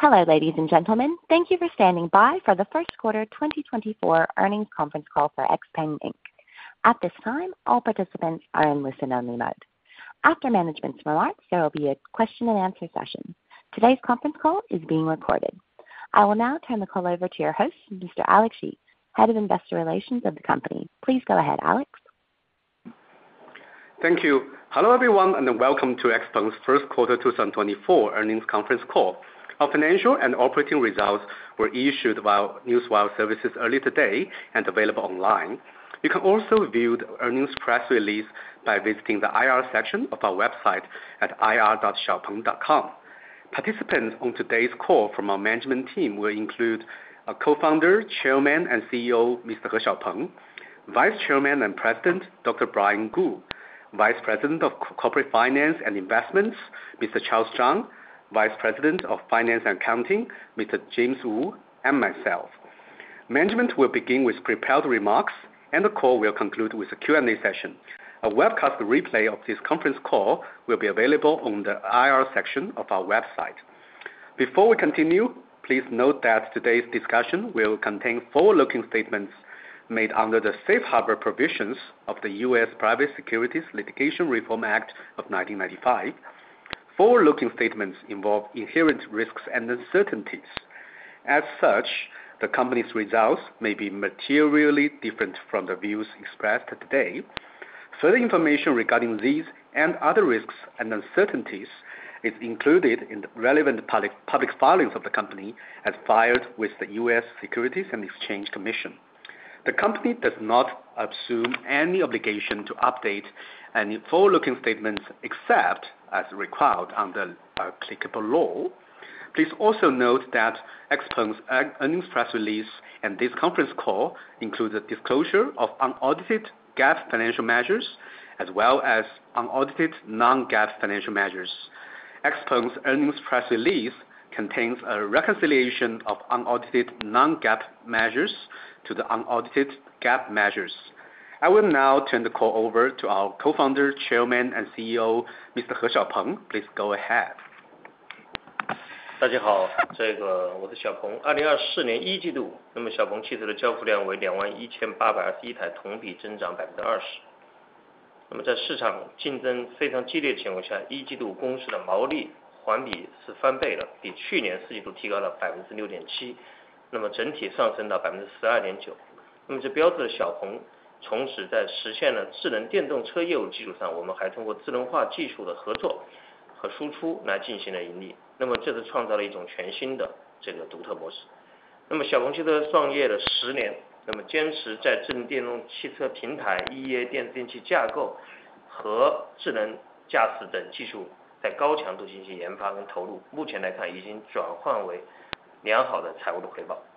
Hello, ladies and gentlemen. Thank you for standing by for the first quarter 2024 earnings conference call for XPeng Inc. At this time, all participants are in listen-only mode. After management's remarks, there will be a question and answer session. Today's conference call is being recorded. I will now turn the call over to your host Mr. Alex Yi, Head of Investor Relations of the company. Please go ahead, Alex. Thank you. Hello, everyone, and welcome to XPeng's first quarter 2024 earnings conference call. Our financial and operating results were issued by Newswire Services early today and available online. You can also view the earnings press release by visiting the IR section of our website at ir.xpeng.com. Participants on today's call from our management team will include our Co-founder, Chairman, and CEO, Mr. He Xiaopeng; Vice Chairman and President, Dr. Brian Gu; Vice President of Corporate Finance and Investments, Mr. Charles Zhang; Vice President of Finance and Accounting, Mr. James Wu; and myself. Management will begin with prepared remarks, and the call will conclude with a Q&A session. A webcast replay of this conference call will be available on the IR section of our website. Before we continue, please note that today's discussion will contain forward-looking statements made under the Safe Harbor Provisions of the US Private Securities Litigation Reform Act of 1995. Forward-looking statements involve inherent risks and uncertainties. As such, the company's results may be materially different from the views expressed today. Further information regarding these and other risks and uncertainties is included in the relevant public filings of the company as filed with the US Securities and Exchange Commission. The company does not assume any obligation to update any forward-looking statements, except as required under applicable law. Please also note that XPeng's earnings press release and this conference call includes a disclosure of unaudited GAAP financial measures as well as unaudited non-GAAP financial measures. XPeng's earnings press release contains a reconciliation of unaudited non-GAAP measures to the unaudited GAAP measures. I will now turn the call over to our Co-founder, Chairman, and CEO, Mr. He Xiaopeng. Please go ahead. 大家好，我是小鹏。2024年一季度，小鹏汽车的交付量为21,821台，同比增加20%。那么在市场竞争非常激烈情况下，一季度公司的毛利环比是翻倍了，比去年四季度提高了6.7%，那么整体上升到12.9%。那么这标志着小鹏从此在实现了智能电动车业务基础上，我们还通过智能化技术的合作和输出来进行盈利，那么这就创造了一种全新的独特模式。那么小鹏汽车创业了十年，那么坚持在智能电动汽车平台、E/E电气架构和智能驾驶等技术，在高强度进行研发跟投入，目前看来已经转化为良好的财务回报。那么在AI即将颠覆并且重构中国甚至全球汽车业务的时代，小鹏也率先实现了在自研智能化技术的输出的赋能，并且产生了可观的经...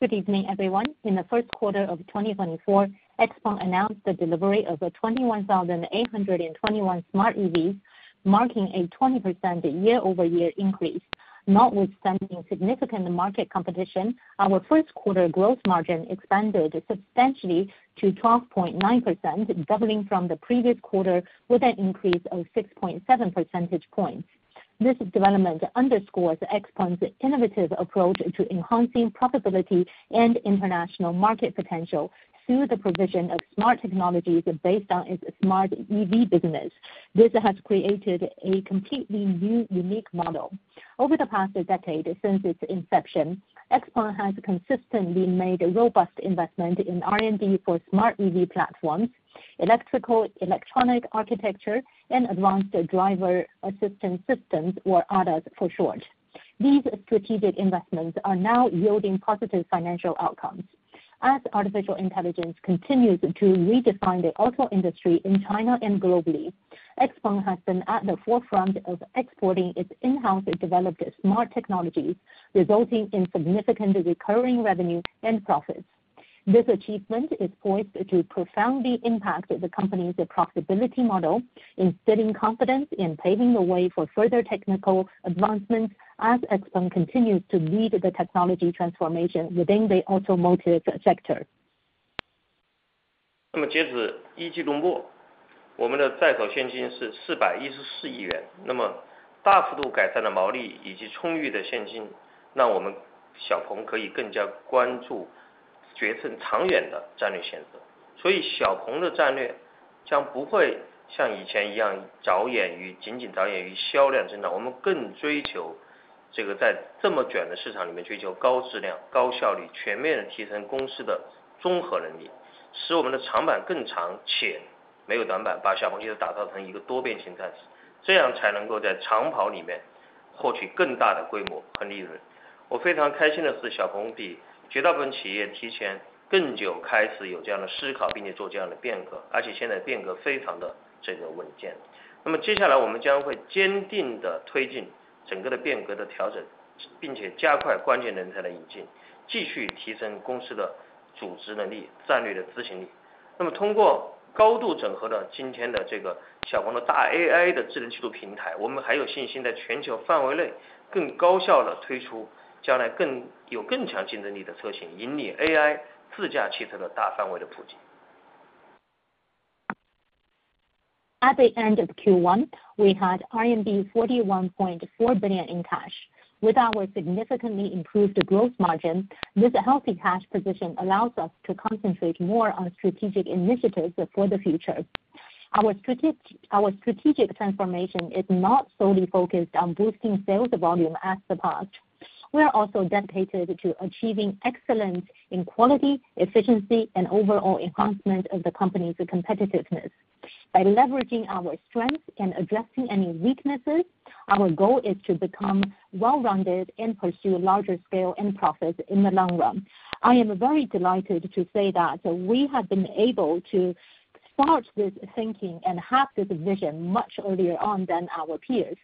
Good evening, everyone. In the first quarter of 2024, XPeng announced the delivery of 21,821 smart EVs, marking a 20% year-over-year increase. Notwithstanding significant market competition, our first quarter gross margin expanded substantially to 12.9%, doubling from the previous quarter with an increase of 6.7 percentage points. This development underscores XPeng's innovative approach to enhancing profitability and international market potential through the provision of smart technologies based on its smart EV business. This has created a completely new, unique model. Over the past decade, since its inception, XPeng has consistently made a robust investment in R&D for smart EV platforms, electrical, electronic architecture, and advanced driver assistance systems, or ADAS for short. These strategic investments are now yielding positive financial outcomes. As artificial intelligence continues to redefine the auto industry in China and globally, XPeng has been at the forefront of exporting its in-house developed smart technologies, resulting in significant recurring revenue and profits. This achievement is poised to profoundly impact the company's profitability model, instilling confidence in paving the way for further technical advancements as XPeng continues to lead the technology transformation within the automotive sector. 那么截止一季度末，我们的在手现金是RMB At the end of Q1, we had RMB 41.4 billion in cash. With our significantly improved gross margin, this healthy cash position allows us to concentrate more on strategic initiatives for the future. Our strategic transformation is not solely focused on boosting sales volume as in the past. We are also dedicated to achieving excellence in quality, efficiency, and overall enhancement of the company's competitiveness. By leveraging our strengths and addressing any weaknesses, our goal is to become well-rounded and pursue larger scale and profits in the long run. I am very delighted to say that we have been able to start this thinking and have this vision much earlier on than our peers.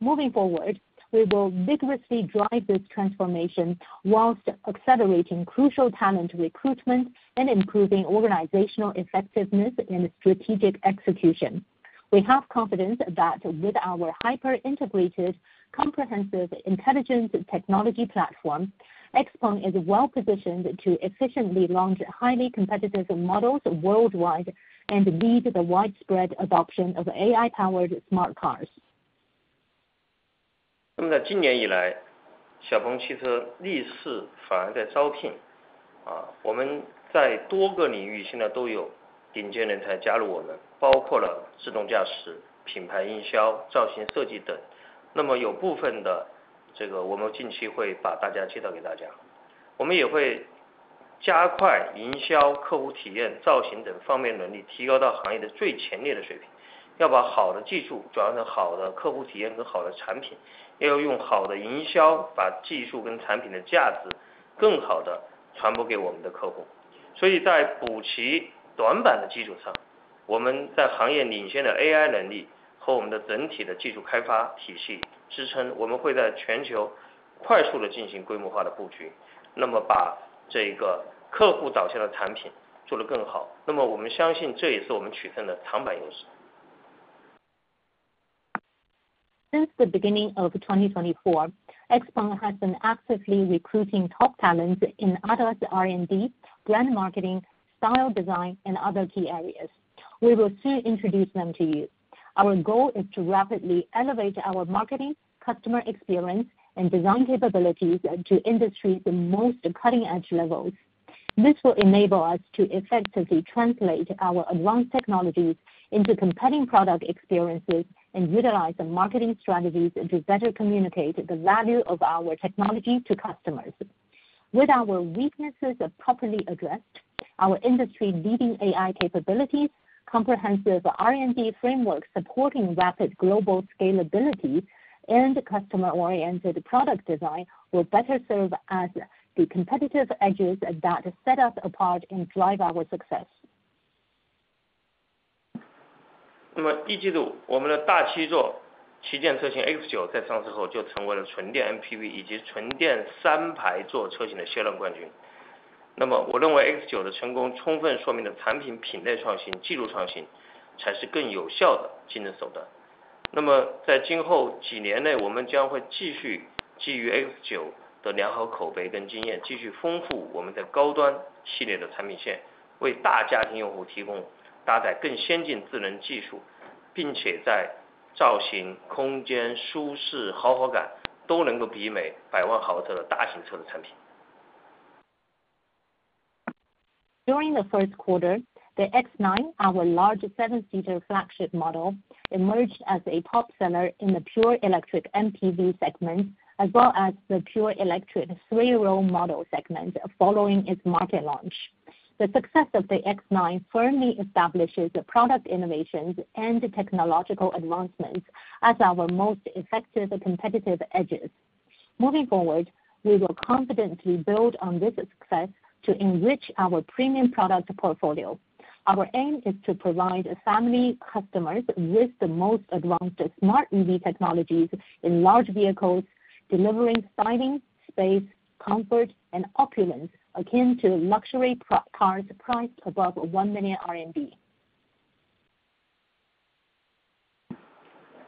Moving forward, we will vigorously drive this transformation whilst accelerating crucial talent recruitment and improving organizational effectiveness and strategic execution. We have confidence that with our hyper-integrated, comprehensive intelligence technology platform, XPeng is well positioned to efficiently launch highly competitive models worldwide and lead the widespread adoption of AI-powered smart cars. Since the beginning of 2024, XPeng has been actively recruiting top talents in ADAS R&D, brand marketing, style design, and other key areas. We will soon introduce them to you. Our goal is to rapidly elevate our marketing, customer experience, and design capabilities to industry's most cutting-edge levels. This will enable us to effectively translate our advanced technologies into compelling product experiences and utilize the marketing strategies to better communicate the value of our technology to customers. With our weaknesses are properly addressed, our industry leading AI capabilities, comprehensive R&D framework supporting rapid global scalability, and customer oriented product design, will better serve as the competitive edges that set us apart and drive our success. During the first quarter, the X9, our large seven-seater flagship model, emerged as a top seller in the pure electric MPV segment, as well as the pure electric three-row model segment following its market launch. The success of the X9 firmly establishes the product innovations and technological advancements as our most effective competitive edges. Moving forward, we will confidently build on this success to enrich our premium product portfolio. Our aim is to provide family customers with the most advanced smart EV technologies in large vehicles, delivering styling, space, comfort, and opulence akin to luxury luxury cars priced above 1 million RMB.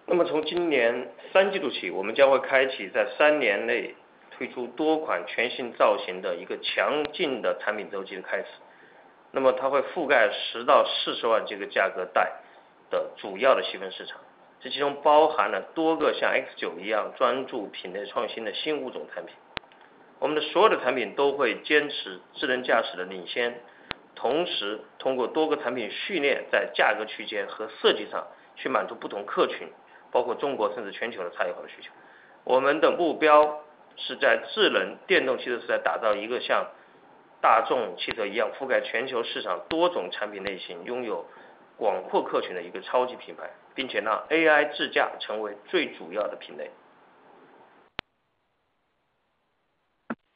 那么从今年第三季度起，我们将会开启在三年内推出多款全新造型的一个强劲的产品周期的开始，那么它会覆盖RMB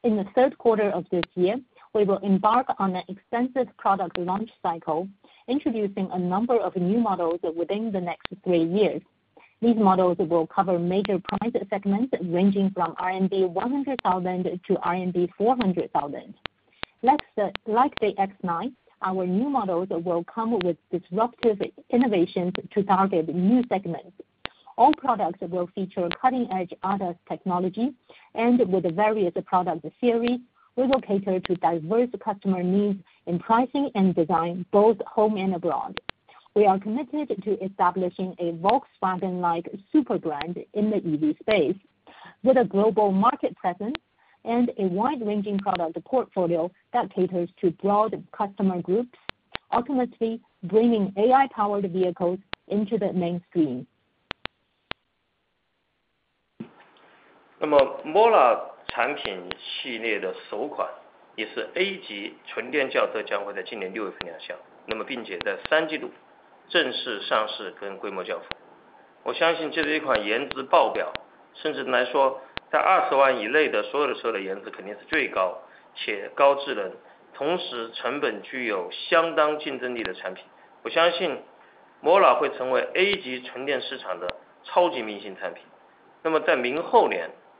...In the third quarter of this year, we will embark on an extensive product launch cycle, introducing a number of new models within the next three years. These models will cover major price segments, ranging from RMB 100,000 to RMB 400,000. Like the, like the X9, our new models will come with disruptive innovations to target new segments. All products will feature cutting-edge ADAS technology, and with various product series, we will cater to diverse customer needs in pricing and design, both home and abroad. We are committed to establishing a Volkswagen-like super brand in the EV space, with a global market presence and a wide-ranging product portfolio that caters to broad customer groups, ultimately bringing AI-powered vehicles into the mainstream.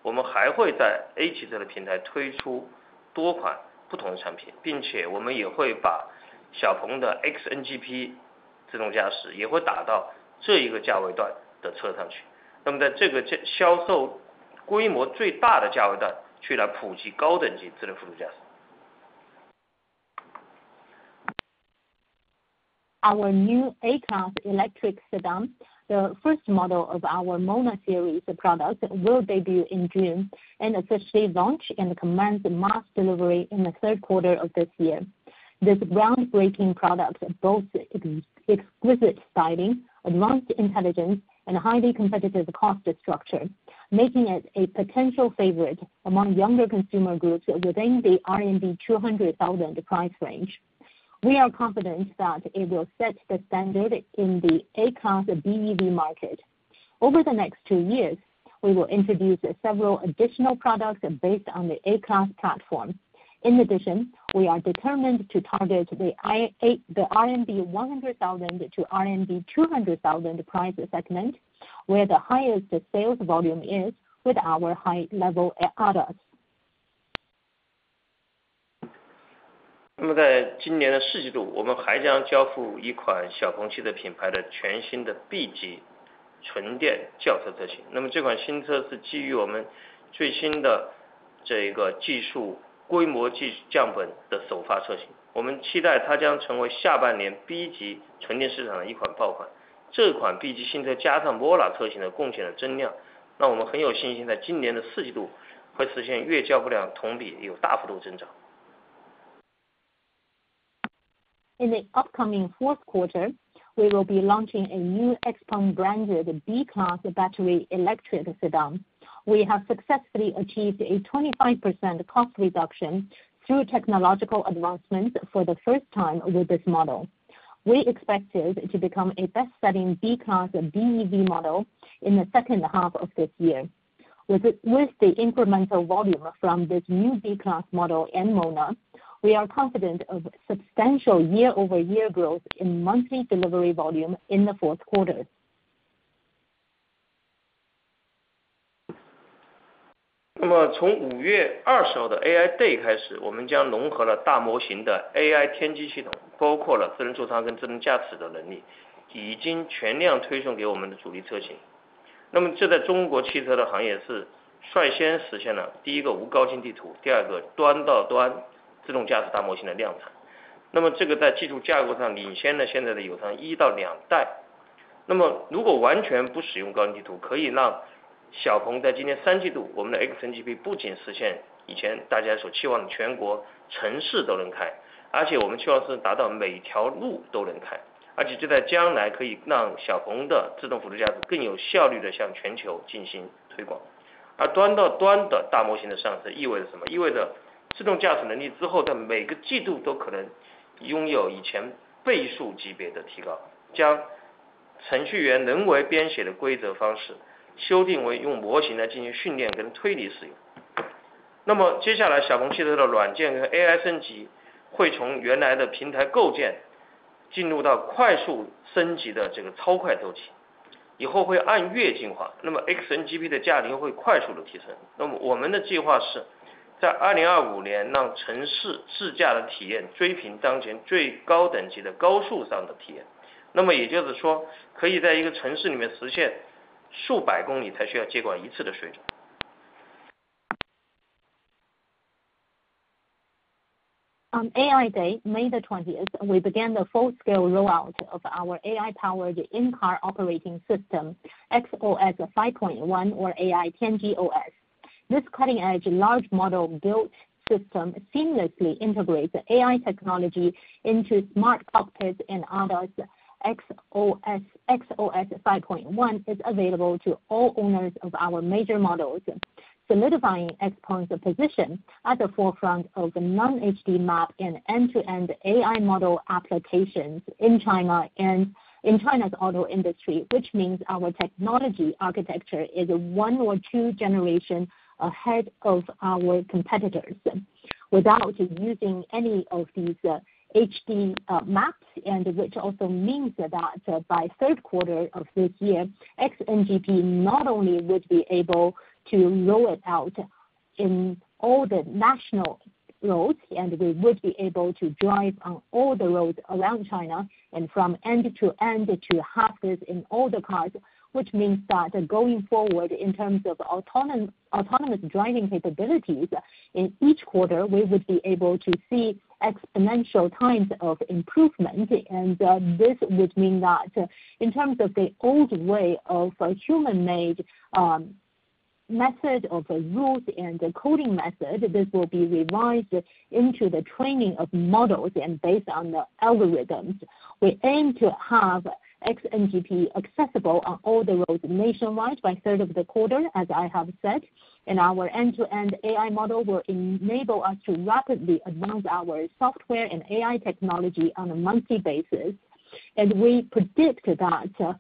20万以内的所有的车的颜值肯定是最高，且高智能，同时成本具有相当竞争力的产品。我相信MONA会成为A级纯电市场的超级明星产品。那么在明后年，我们还会在A级车的平台推出多款不同产品，并且我们也会把小鹏的XNGP自动驾驶也会打到这一价位段的车上去，那么在这个销售规模最大的价位段，去普及高等级智能辅助驾驶。Our new A-class electric sedan, the first model of our MONA series of products, will debut in June and officially launch and commence mass delivery in the third quarter of this year. This groundbreaking product boasts exquisite styling, advanced intelligence, and a highly competitive cost structure, making it a potential favorite among younger consumer groups within the 200,000 price range. We are confident that it will set the standard in the A-class BEV market. Over the next two years, we will introduce several additional products based on the A-class platform. In addition, we are determined to target the A-class, the 100,000-200,000 RMB price segment, where the highest sales volume is with our high level ADAS. In the upcoming fourth quarter, we will be launching a new XPeng branded B-class battery electric sedan. We have successfully achieved a 25% cost reduction through technological advancements for the first time with this model. We expect it to become a best-selling B-class BEV model in the second half of this year. With the incremental volume from this new B-class model and MONA, we are confident of substantial year-over-year growth in monthly delivery volume in the fourth quarter. 那么从5月20号的AI On AI Day, May the twentieth, we began the full scale rollout of our AI-powered in-car operating system, XOS 5.1 or AI Tianji OS. This cutting-edge large model built system seamlessly integrates AI technology into smart cockpits and ADAS. XOS 5.1 is available to all owners of our major models, solidifying XPeng's position at the forefront of the non-HD map and end-to-end AI model applications in China and in China's auto industry, which means our technology architecture is one or two generations ahead of our competitors, without using any of these HD maps, and which also means that by third quarter of this year, XNGP not only would be able to roll it out in all the national roads, and we would be able to drive on all the roads around China, and from end to end to have this in all the cars. Which means that going forward, in terms of autonomous driving capabilities, in each quarter, we would be able to see exponential times of improvement. And this would mean that in terms of the old way of human-made method of route and the coding method, this will be revised into the training of models and based on the algorithms. We aim to have XNGP accessible on all the roads nationwide by the third quarter, as I have said. And our end-to-end AI model will enable us to rapidly advance our software and AI technology on a monthly basis. And we predict that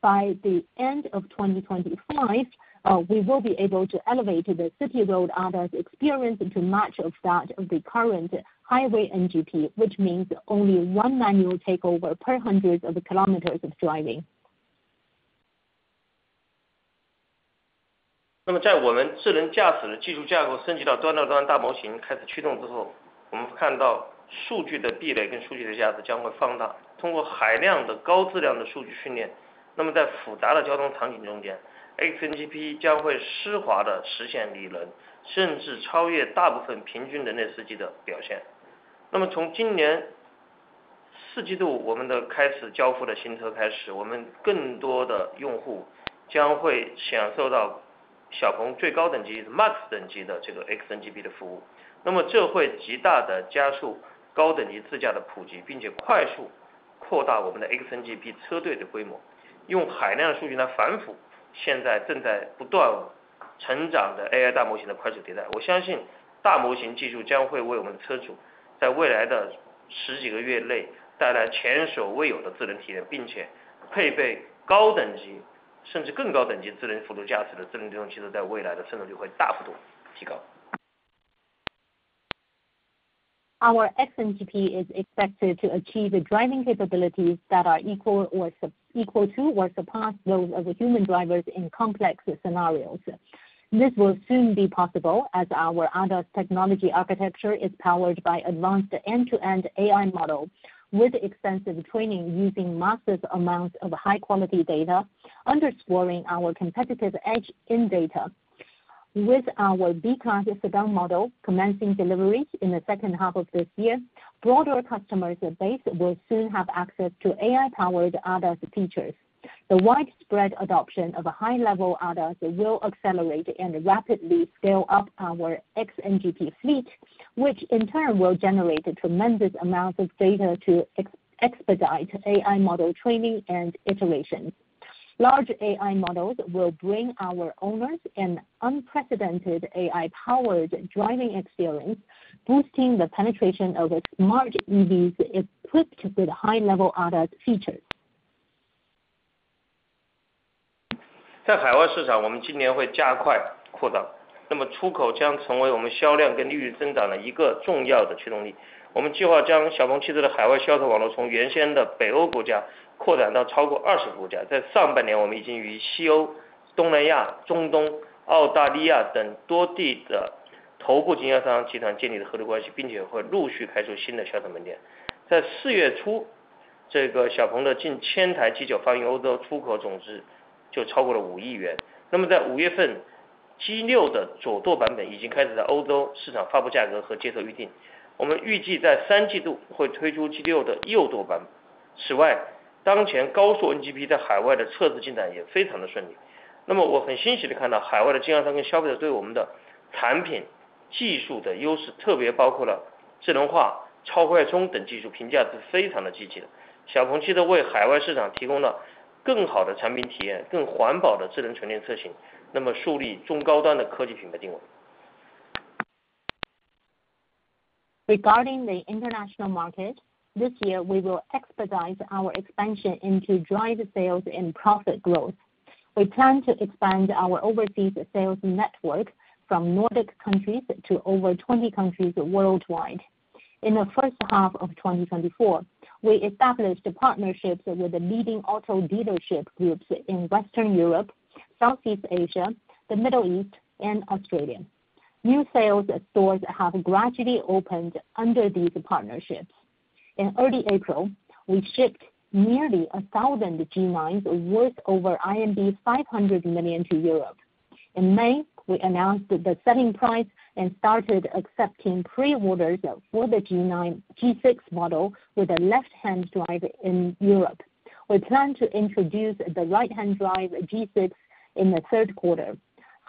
by the end of 2025, we will be able to elevate the city road ADAS experience into much of that of the current highway NGP, which means only one manual takeover per hundreds of kilometers of driving. Our XNGP is expected to achieve driving capabilities that are equal to or surpass those of the human drivers in complex scenarios. This will soon be possible as our ADAS technology architecture is powered by advanced end-to-end AI model, with extensive training using massive amounts of high-quality data, underscoring our competitive edge in data. With our B-class sedan model commencing deliveries in the second half of this year, broader customers base will soon have access to AI-powered ADAS features. The widespread adoption of a high-level ADAS will accelerate and rapidly scale up our XNGP fleet, which in turn will generate a tremendous amount of data to expedite AI model training and iteration. Large AI models will bring our owners an unprecedented AI-powered driving experience, boosting the penetration of its smart EVs equipped with high-level ADAS features. Regarding the international market, this year, we will expedite our expansion into drive sales and profit growth. We plan to expand our overseas sales network from Nordic countries to over 20 countries worldwide. In the first half of 2024, we established partnerships with the leading auto dealership groups in Western Europe, Southeast Asia, the Middle East, and Australia. New sales stores have gradually opened under these partnerships. In early April, we shipped nearly 1,000 G9s worth over 500 million to Europe. In May, we announced the selling price and started accepting pre-orders for the G9 and G6 models with a left-hand drive in Europe. We plan to introduce the right-hand drive G6 in the third quarter.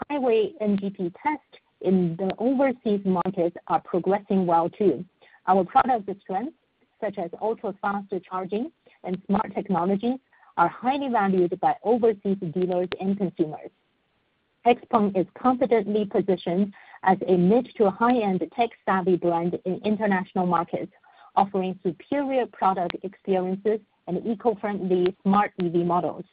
Highway NGP tests in the overseas markets are progressing well, too. Our product strengths, such as ultra-fast charging and smart technologies, are highly valued by overseas dealers and consumers. XPeng is confidently positioned as a mid- to high-end tech-savvy brand in international markets, offering superior product experiences and eco-friendly smart EV models.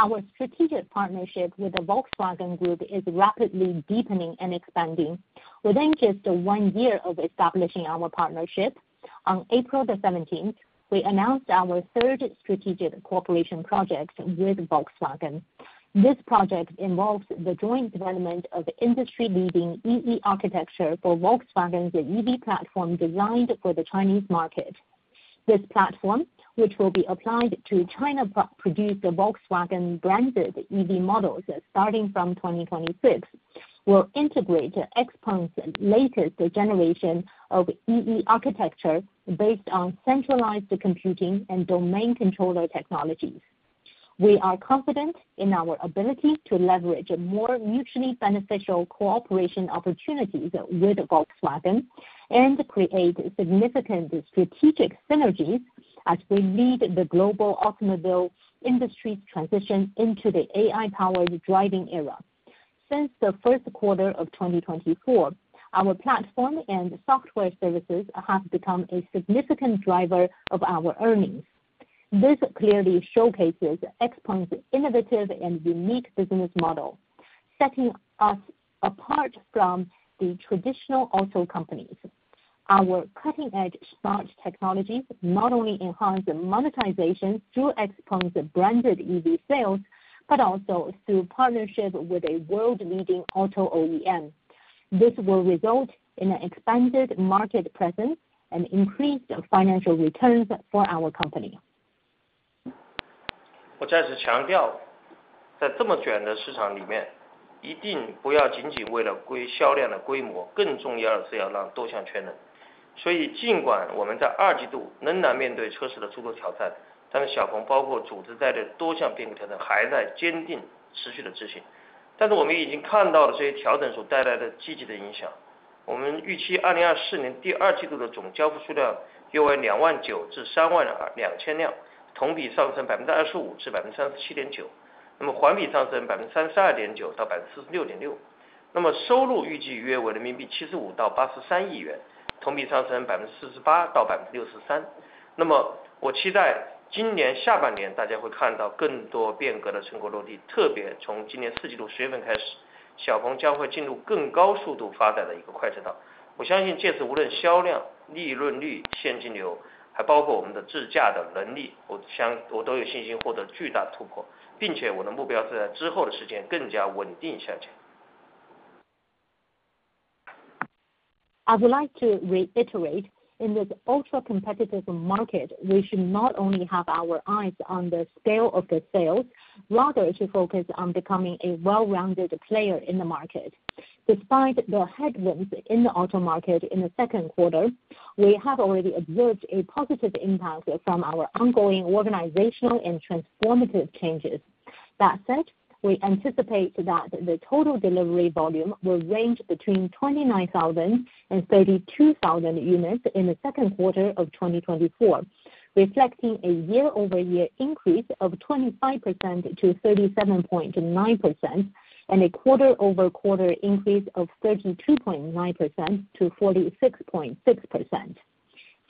Our strategic partnership with the Volkswagen Group is rapidly deepening and expanding. Within just one year of establishing our partnership, on April the seventeenth, we announced our third strategic cooperation project with Volkswagen. This project involves the joint development of industry-leading E/E architecture for Volkswagen, the EV platform designed for the Chinese market. This platform, which will be applied to China-produced Volkswagen branded EV models starting from 2026, will integrate XPeng's latest generation of E/E architecture based on centralized computing and domain controller technologies. We are confident in our ability to leverage more mutually beneficial cooperation opportunities with Volkswagen, and create significant strategic synergies as we lead the global automobile industry's transition into the AI-powered driving era. Since the first quarter of 2024, our platform and software services has become a significant driver of our earnings. This clearly showcases XPeng's innovative and unique business model, setting us apart from the traditional auto companies. Our cutting-edge smart technologies not only enhance the monetization through XPeng's branded EV sales, but also through partnerships with a world-leading auto OEM. This will result in an expanded market presence and increased financial returns for our company. I would like to reiterate, in this ultra competitive market, we should not only have our eyes on the scale of the sales, rather to focus on becoming a well-rounded player in the market. Despite the headwinds in the auto market in the second quarter, we have already observed a positive impact from our ongoing organizational and transformative changes. That said, we anticipate that the total delivery volume will range between 29,000 and 32,000 units in the second quarter of 2024, reflecting a year-over-year increase of 25% to 37.9% and a quarter-over-quarter increase of 32.9% to 46.6%.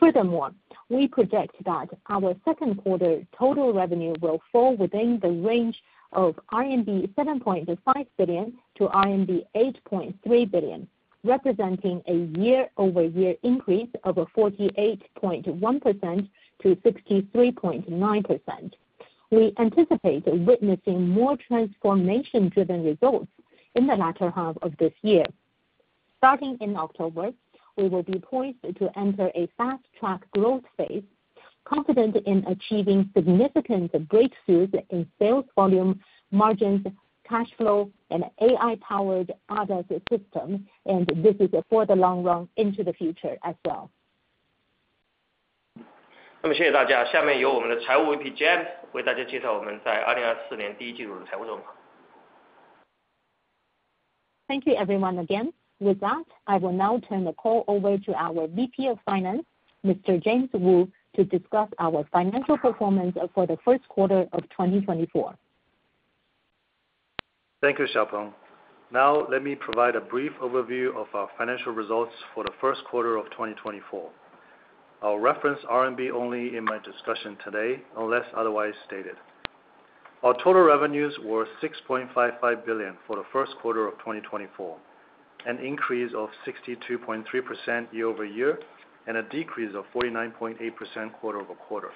Furthermore, we predict that our second quarter total revenue will fall within the range of 7.5 billion-8.3 billion RMB, representing a year-over-year increase of 48.1% to 63.9%. We anticipate witnessing more transformation driven results in the latter half of this year. Starting in October, we will be poised to enter a fast track growth phase, confident in achieving significant breakthroughs in sales, volume, margins, cash flow, and AI powered ADAS system, and this is for the long run into the future as well. 那么谢谢大家！下面由我们的财务VP James为大家介绍我们在2024年第一季度的财务状况。Thank you everyone again. With that, I will now turn the call over to our VP of Finance, Mr. James Wu, to discuss our financial performance for the first quarter of 2024. ...Thank you, Xiaopeng. Now let me provide a brief overview of our financial results for the first quarter of 2024. I'll reference RMB only in my discussion today, unless otherwise stated. Our total revenues were 6.55 billion for the first quarter of 2024, an increase of 62.3% year-over-year, and a decrease of 49.8% quarter-over-quarter.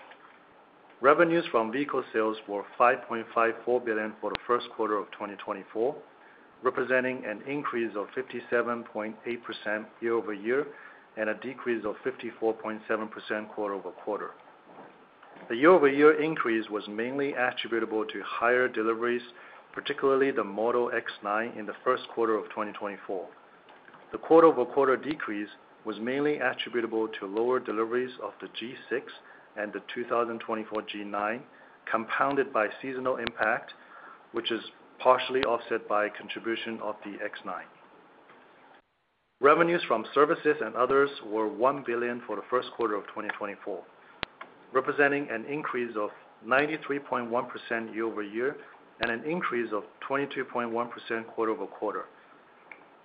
Revenues from vehicle sales were 5.54 billion for the first quarter of 2024, representing an increase of 57.8% year-over-year and a decrease of 54.7% quarter-over-quarter. The year-over-year increase was mainly attributable to higher deliveries, particularly the Model X9 in the first quarter of 2024. The quarter-over-quarter decrease was mainly attributable to lower deliveries of the G6 and the 2024 G9, compounded by seasonal impact, which is partially offset by contribution of the X9. Revenues from services and others were 1 billion for the first quarter of 2024, representing an increase of 93.1% year-over-year and an increase of 22.1% quarter-over-quarter.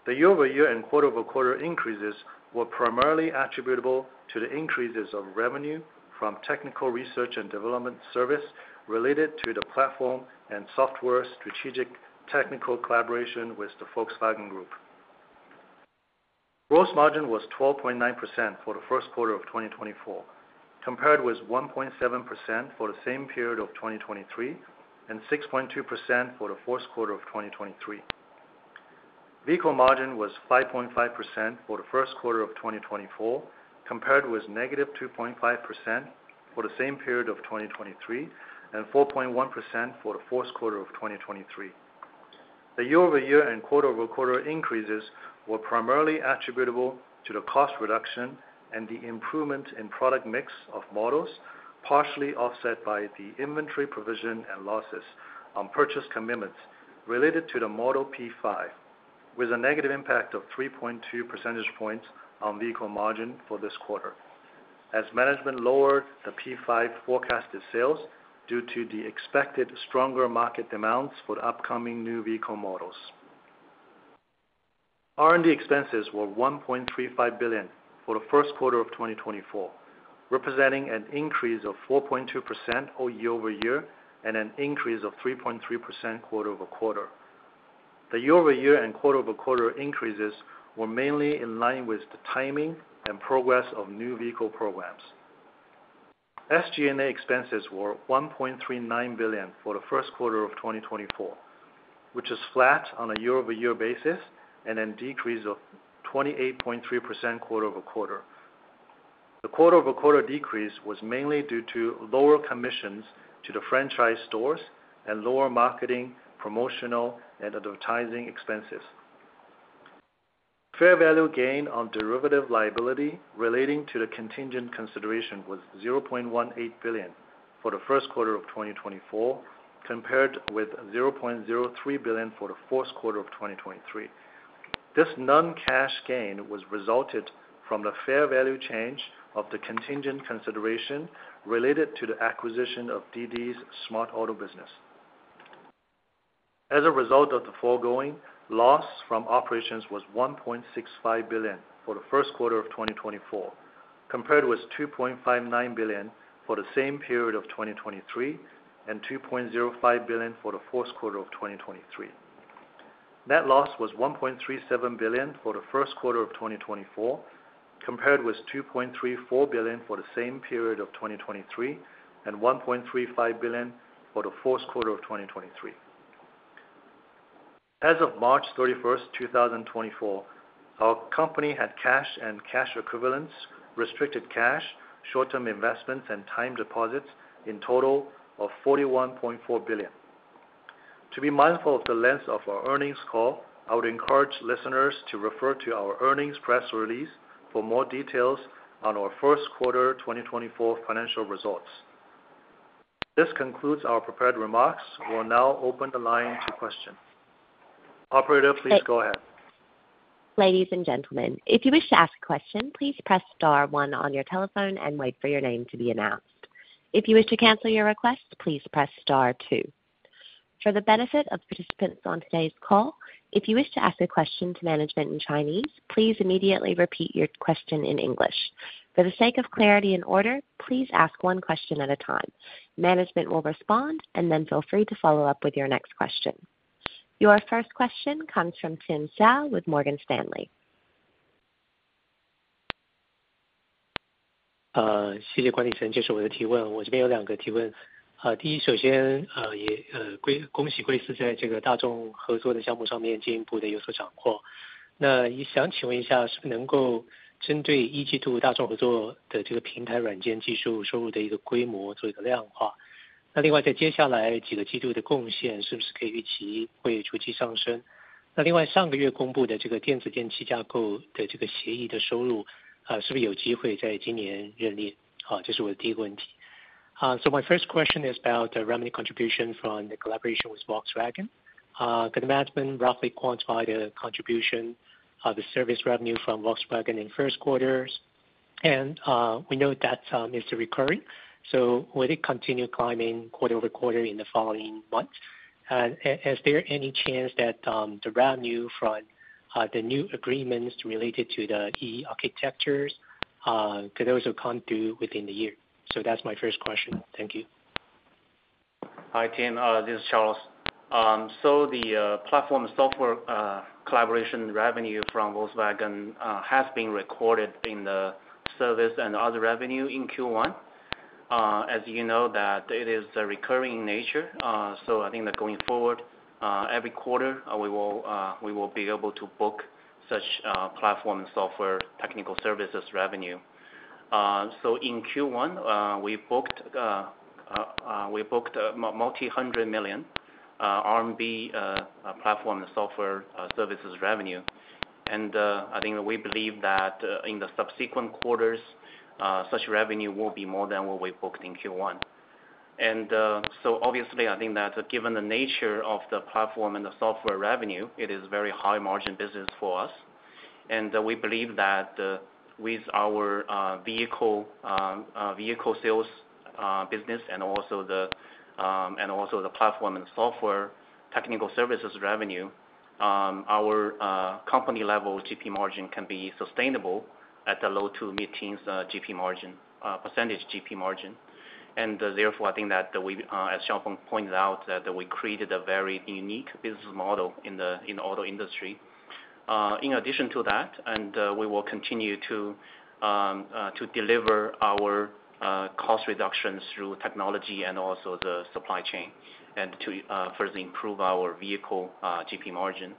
The year-over-year and quarter-over-quarter increases were primarily attributable to the increases of revenue from technical research and development service related to the platform and software strategic technical collaboration with the Volkswagen Group. Gross margin was 12.9% for the first quarter of 2024, compared with 1.7% for the same period of 2023, and 6.2% for the fourth quarter of 2023. Vehicle margin was 5.5% for the first quarter of 2024, compared with -2.5% for the same period of 2023, and 4.1% for the fourth quarter of 2023. The year-over-year and quarter-over-quarter increases were primarily attributable to the cost reduction and the improvement in product mix of models, partially offset by the inventory provision and losses on purchase commitments related to the Model P5, with a negative impact of 3.2 percentage points on vehicle margin for this quarter. As management lowered the P5 forecasted sales due to the expected stronger market demands for the upcoming new vehicle models. R&D expenses were 1.35 billion for the first quarter of 2024, representing an increase of 4.2% year-over-year and an increase of 3.3% quarter-over-quarter. The year-over-year and quarter-over-quarter increases were mainly in line with the timing and progress of new vehicle programs. SG&A expenses were 1.39 billion for the first quarter of 2024, which is flat on a year-over-year basis and a decrease of 28.3% quarter-over-quarter. The quarter-over-quarter decrease was mainly due to lower commissions to the franchise stores and lower marketing, promotional, and advertising expenses. Fair value gain on derivative liability relating to the contingent consideration was 0.18 billion for the first quarter of 2024, compared with 0.03 billion for the fourth quarter of 2023. This non-cash gain resulted from the fair value change of the contingent consideration related to the acquisition of DiDi's smart auto business. As a result of the foregoing, loss from operations was RMB 1.65 billion for the first quarter of 2024, compared with RMB 2.59 billion for the same period of 2023, and RMB 2.05 billion for the fourth quarter of 2023. Net loss was RMB 1.37 billion for the first quarter of 2024, compared with RMB 2.34 billion for the same period of 2023, and RMB 1.35 billion for the fourth quarter of 2023. As of March 31, 2024, our company had cash and cash equivalents, restricted cash, short-term investments, and time deposits in total of 41.4 billion. To be mindful of the length of our earnings call, I would encourage listeners to refer to our earnings press release for more details on our first quarter 2024 financial results. This concludes our prepared remarks. We'll now open the line to questions. Operator, please go ahead. Ladies and gentlemen, if you wish to ask a question, please press star one on your telephone and wait for your name to be announced. If you wish to cancel your request, please press star two. For the benefit of participants on today's call, if you wish to ask a question to management in Chinese, please immediately repeat your question in English. For the sake of clarity and order, please ask one question at a time. Management will respond, and then feel free to follow up with your next question. Your first question comes from Tim Hsiao with Morgan Stanley. 谢谢 you, 管理层, 这是我的提问。我这边有两个提问。第一，首先，也恭喜贵司在这个大众合作的项目上面进一步的有所突破。那想请问一下，是不是能够针对一季度大众合作的这个平台，软件技术收入的一个规模做一个量化？那另外，在接下来几个季度的贡献是不是可以预期会逐季上升？ 那另外，上个月公布的这个电子电气架构的这个协议的收入，是不是有机会在今年认列？好，这是我的第一个问题。So my first question is about the revenue contribution from the collaboration with Volkswagen. Can the management roughly quantify the contribution of the service revenue from Volkswagen in first quarters? And, we know that is recurring, so will it continue climbing quarter-over-quarter in the following months? And is there any chance that the revenue from the new agreements related to the E/E architectures could those come due within the year? So that's my first question. Thank you. Hi, team, this is Charles. So the platform software collaboration revenue from Volkswagen has been recorded in the service and other revenue in Q1. As you know, that it is a recurring nature, so I think that going forward, every quarter, we will be able to book such platform and software technical services revenue. So in Q1, we booked a multi-hundred million RMB platform and software services revenue. And I think we believe that in the subsequent quarters, such revenue will be more than what we booked in Q1. And so obviously, I think that given the nature of the platform and the software revenue, it is very high margin business for us. We believe that with our vehicle sales business and also the platform and software technical services revenue, our company level GP margin can be sustainable at the low to mid-teens GP margin percentage. Therefore, I think that we, as Xiaopeng pointed out, that we created a very unique business model in the auto industry. In addition to that, we will continue to deliver our cost reductions through technology and also the supply chain, and to further improve our vehicle GP margin.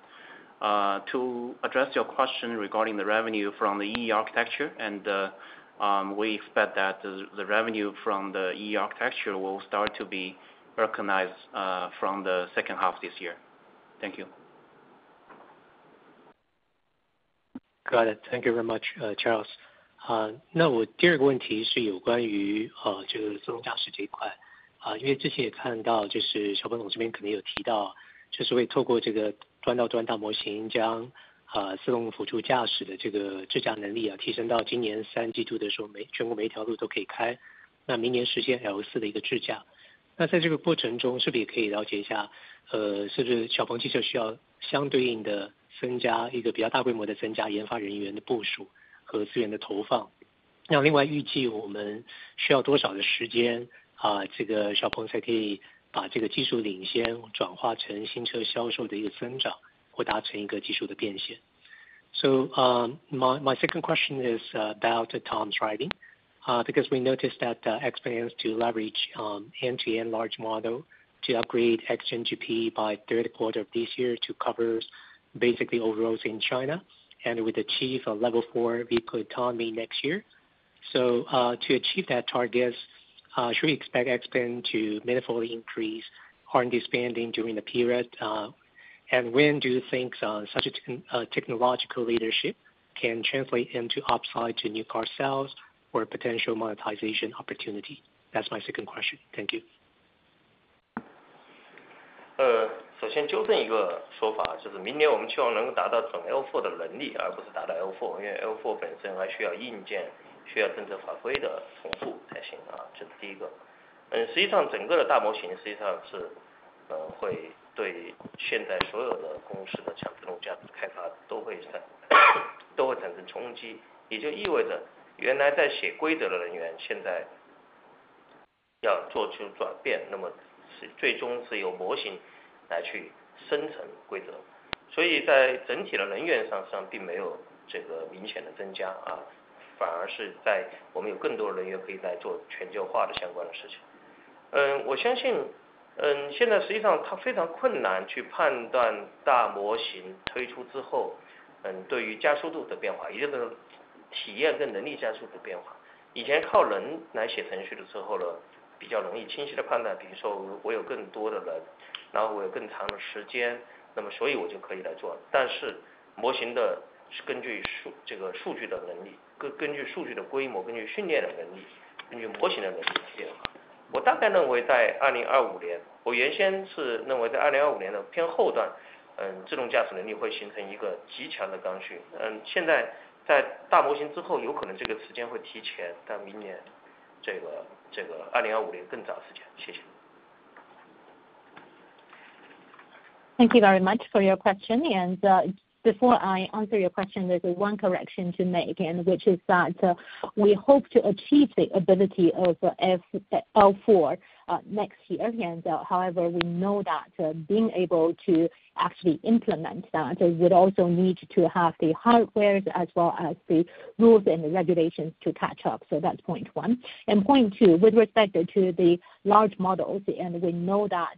To address your question regarding the revenue from the E-architecture, we expect that the revenue from the E-architecture will start to be recognized from the second half this year. Thank you. Got it. Thank you very much, Charles. Now, my second question is about the modeling, because we noticed that XPeng is to leverage end-to-end large model to upgrade XNGP by third quarter of this year to cover basically all roads in China, and will achieve a level four vehicle autonomy next year. To achieve that targets, should we expect XPeng to meaningfully increase R&D spending during the period? And when do you think such a technological leadership can translate into upside to new car sales or potential monetization opportunity? That's my second question. Thank you. So thank you very much for your question. And, before I answer your question, there's one correction to make, and which is that, we hope to achieve the ability of L4 next year. And, however, we know that, being able to actually implement that, would also need to have the hardware as well as the rules and regulations to catch up. So that's point one. And point two, with respect to the large models, and we know that,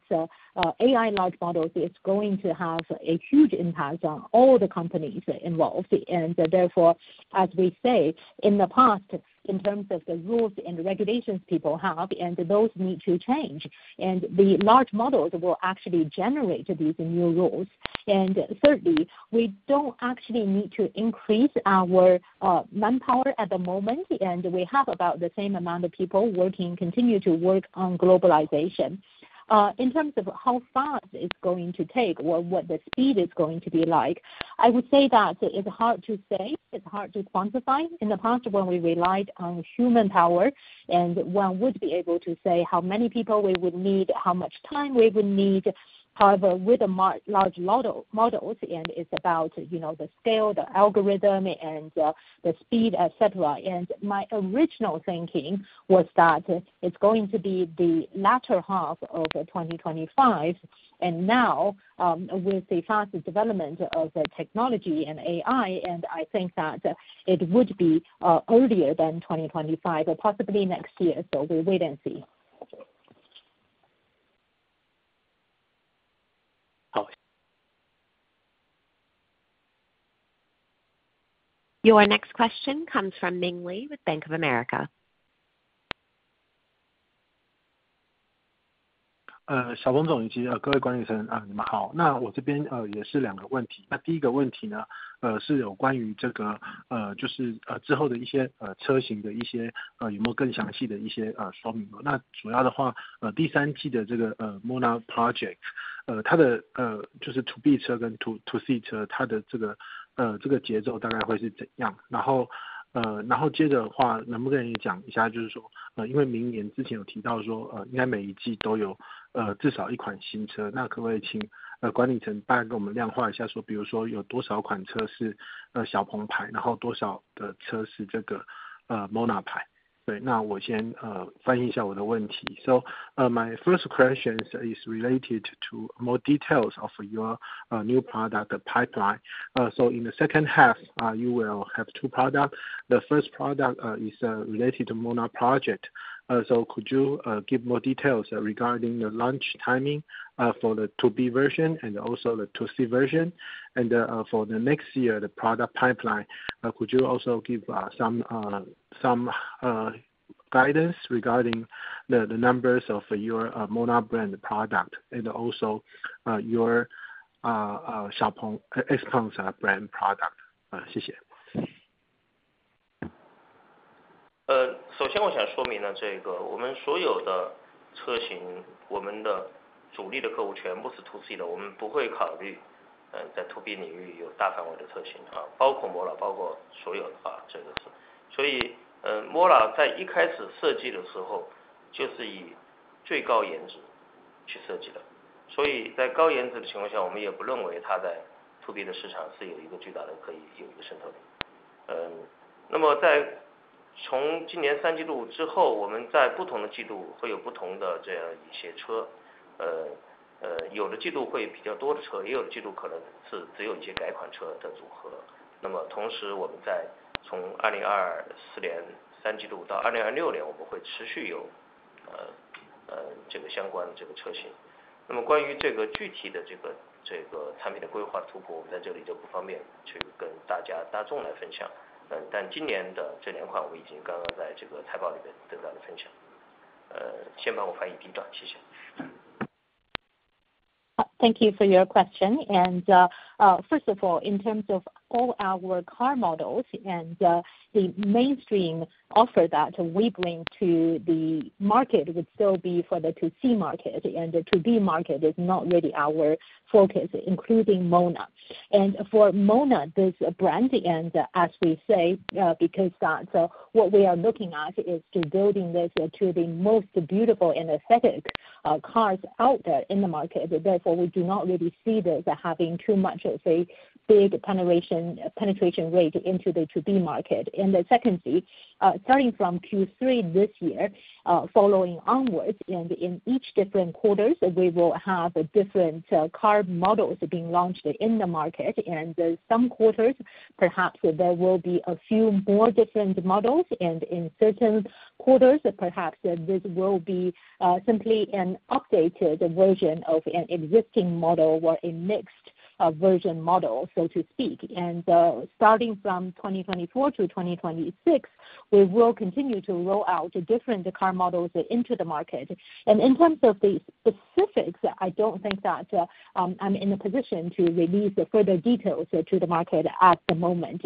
AI large models is going to have a huge impact on all the companies involved. And therefore, as we say in the past, in terms of the rules and regulations people have, and those need to change, and the large models will actually generate these new rules. And thirdly, we don't actually need to increase our manpower at the moment, and we have about the same amount of people working, continue to work on globalization. In terms of how fast it's going to take or what the speed is going to be like? I would say that it's hard to say, it's hard to quantify. In the past, when we relied on human power and one would be able to say how many people we would need, how much time we would need. However, with a large model, models, and it's about, you know, the scale, the algorithm and the speed, et cetera. And my original thinking was that it's going to be the latter half of 2025, and now, with the faster development of the technology and AI, and I think that it would be earlier than 2025 or possibly next year. So we'll wait and see. Your next question comes from Ming Hsun Lee with Bank of America. Xiaopeng He 以及各位管理 层，你们好！那我这边，也是两个问题。那第一个问题呢，是有关于是之后的一些车型的一些，有没有更详细的一些说明，那主要的话，第三季的这个 MONA Project，它的，就是 to B 车跟 to C 车，它的这个节奏大概会是怎样？然后，接着的话，能不能讲一下，就是说，因为明年之前有提到说，应该每季都有，至少一款新车，那可不可以请管理层大概给我们量化一下，说比如说有多少款车是小鹏牌，然后多少的车是这个 MONA 牌。对，那我先翻译一下我的问题。So, my first question is related to more details of your new product pipeline. So in the second half, you will have two products. The first product is related to MONA project. So could you give more details regarding the launch timing for the to B version and also the to C version? And for the next year, the product pipeline, could you also give some guidance regarding the numbers of your MONA brand product and also your XPeng brand product? Thank you for your question. First of all, in terms of all our car models and the mainstream offer that we bring to the market would still be for the to C market, and the to B market is not really our focus, including MONA. For MONA, this brand, and as we say, because that, so what we are looking at is to building this to the most beautiful and aesthetic cars out there in the market. Therefore, we do not really see this as having too much of a big penetration, penetration rate into the to B market. Then secondly, starting from Q3 this year, following onwards and in each different quarters, we will have a different car models being launched in the market. Then some quarters, perhaps there will be a few more different models, and in certain quarters, perhaps this will be simply an updated version of an existing model or a mixed version model, so to speak. Starting from 2024 to 2026, we will continue to roll out different car models into the market. In terms of the specifics, I don't think that I'm in a position to release the further details to the market at the moment.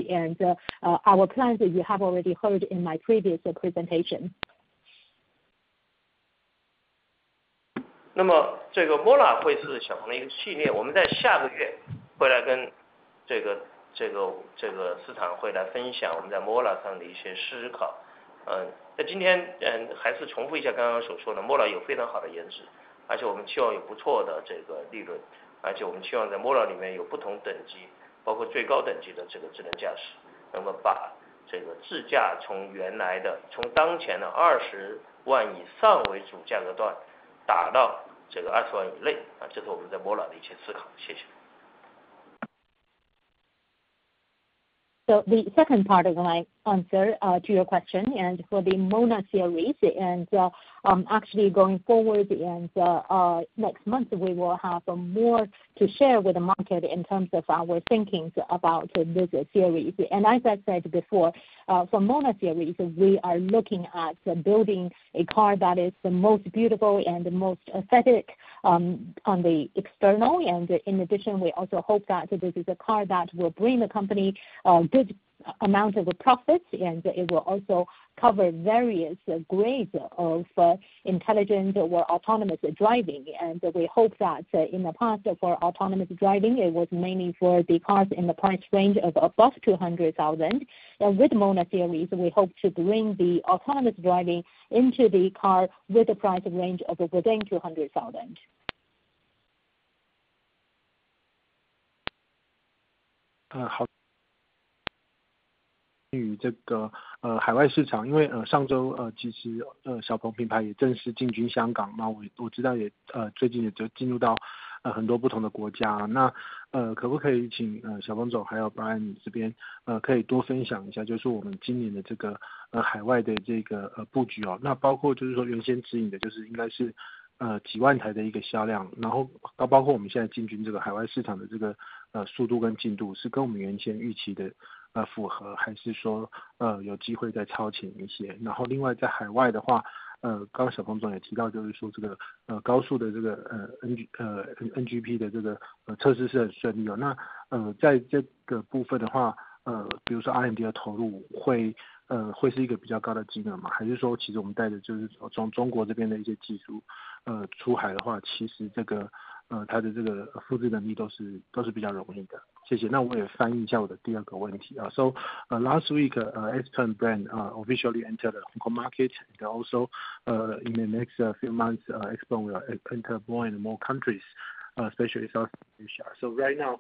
Our plans, you have already heard in my previous presentation. So the second part of my answer to your question, and for the MONA series, actually going forward, next month, we will have more to share with the market in terms of our thinkings about this series. As I said before, for MONA series, we are looking at building a car that is the most beautiful and the most aesthetic on the external. In addition, we also hope that this is a car that will bring the company good amount of profits, and it will also cover various grades of intelligent or autonomous driving. We hope that in the past, for autonomous driving, it was mainly for the cars in the price range of above 200,000. With MONA series, we hope to bring the autonomous driving into the car with a price range of within 200,000. Hello. You take a diaspora, because sometimes XPeng brand is also going to Hong Kong. Now, which I know you taking it to different countries. Now, can we please, Xiaopeng and Brian, you这边，可以多分享一下 just 我们的今年的这个，海外的这个，布局啊。那包括就是说原先指引的就应该是，几万台的一个销量，然后包括我们现在进去这个海外市场的这个，速度跟进度是跟我们原先预期的，符合，还是说，有机会再超前一些？然后另外在海外的话，刚才小鹏总也提到，就是说这个，高速的这个，N NGP的这个，测试是很顺利的，那，在这个部分的话，比如说R&D的投入会，是一个比较高的金额吗？还是说其实我们带着就是从中国这边的有些技术，出海的话，其实这个，它的这个复制能力都是，都是比较容易的。谢谢！那我也翻译一下我的第二个问题。So, last week, XPeng brand officially entered the Hong Kong market, and also, in the next few months, XPeng will enter more and more countries, especially South Asia. So right now,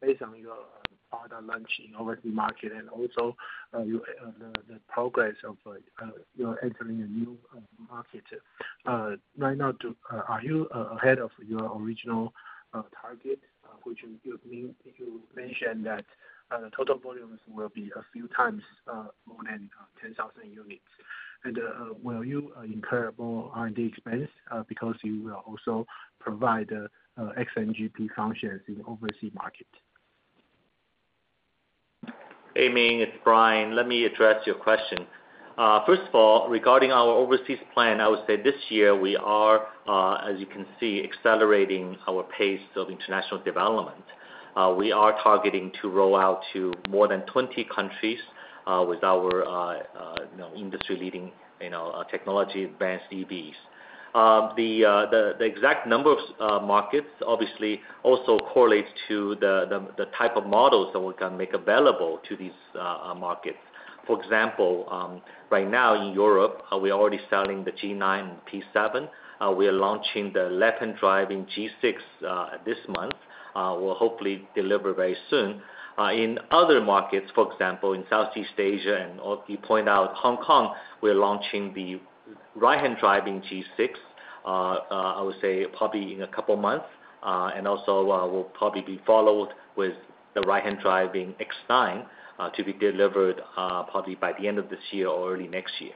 based on your product launch in overseas market and also the progress of you're entering a new market right now, are you ahead of your original target, which you mentioned that the total volumes will be a few times more than 10,000 units? And, will you incur more R&D expense because you will also provide XNGP functions in the overseas market? Hey, Ming, it's Brian. Let me address your question. First of all, regarding our overseas plan, I would say this year we are, as you can see, accelerating our pace of international development. We are targeting to roll out to more than 20 countries, with our, you know, industry-leading, you know, technology advanced EVs. The exact number of markets obviously also correlates to the type of models that we can make available to these markets. For example, right now in Europe, we are already selling the G9 and P7. We are launching the left-hand driving G6 this month. We'll hopefully deliver very soon. In other markets, for example, in Southeast Asia, and or you point out Hong Kong, we're launching the right-hand driving G6, I would say probably in a couple of months. And also, will probably be followed with the right-hand driving X9, to be delivered, probably by the end of this year or early next year.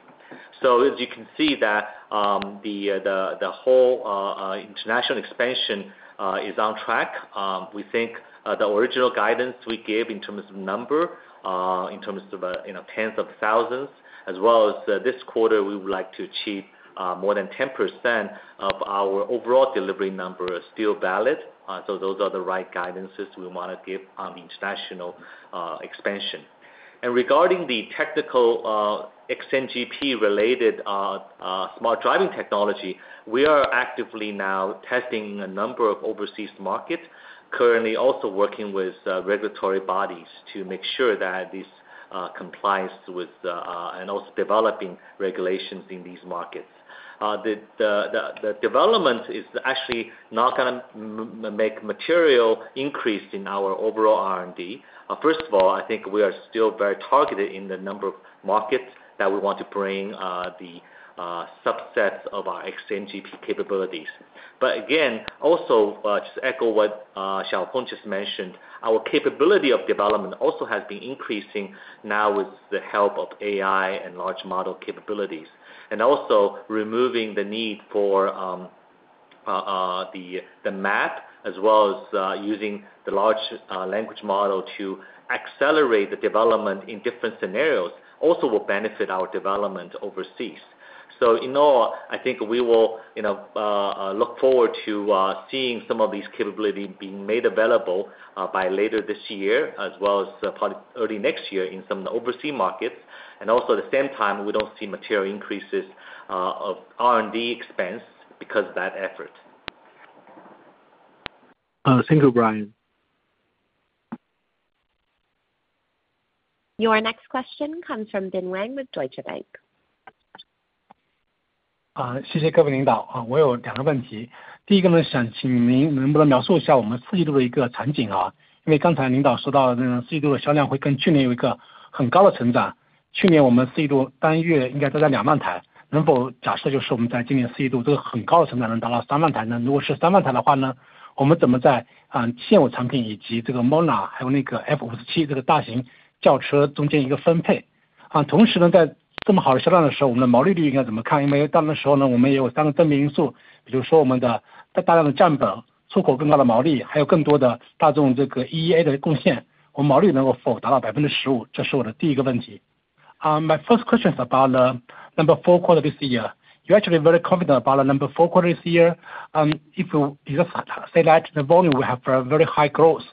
So as you can see that, the whole international expansion is on track. We think, the original guidance we gave in terms of number, in terms of, you know, tens of thousands, as well as, this quarter, we would like to achieve, more than 10% of our overall delivery numbers are still valid. So those are the right guidances we want to give on the international expansion. Regarding the technical, XNGP-related, smart driving technology, we are actively now testing a number of overseas markets, currently also working with regulatory bodies to make sure that this complies with and also developing regulations in these markets. The development is actually not gonna make material increase in our overall R&D. First of all, I think we are still very targeted in the number of markets that we want to bring the subsets of our XNGP capabilities. But again, also, just to echo what Xiaopeng just mentioned, our capability of development also has been increasing now with the help of AI and large model capabilities. Also removing the need for the map, as well as using the large language model to accelerate the development in different scenarios, also will benefit our development overseas. So in all, I think we will, you know, look forward to seeing some of these capabilities being made available by later this year, as well as probably early next year in some of the overseas markets. And also at the same time, we don't see material increases of R&D expense because of that effort. Thank you, Brian. Your next question comes from Bin Wang with Deutsche Bank. My first question is about the fourth quarter this year. You're actually very confident about our fourth quarter this year, if you just say that the volume will have a very high growth.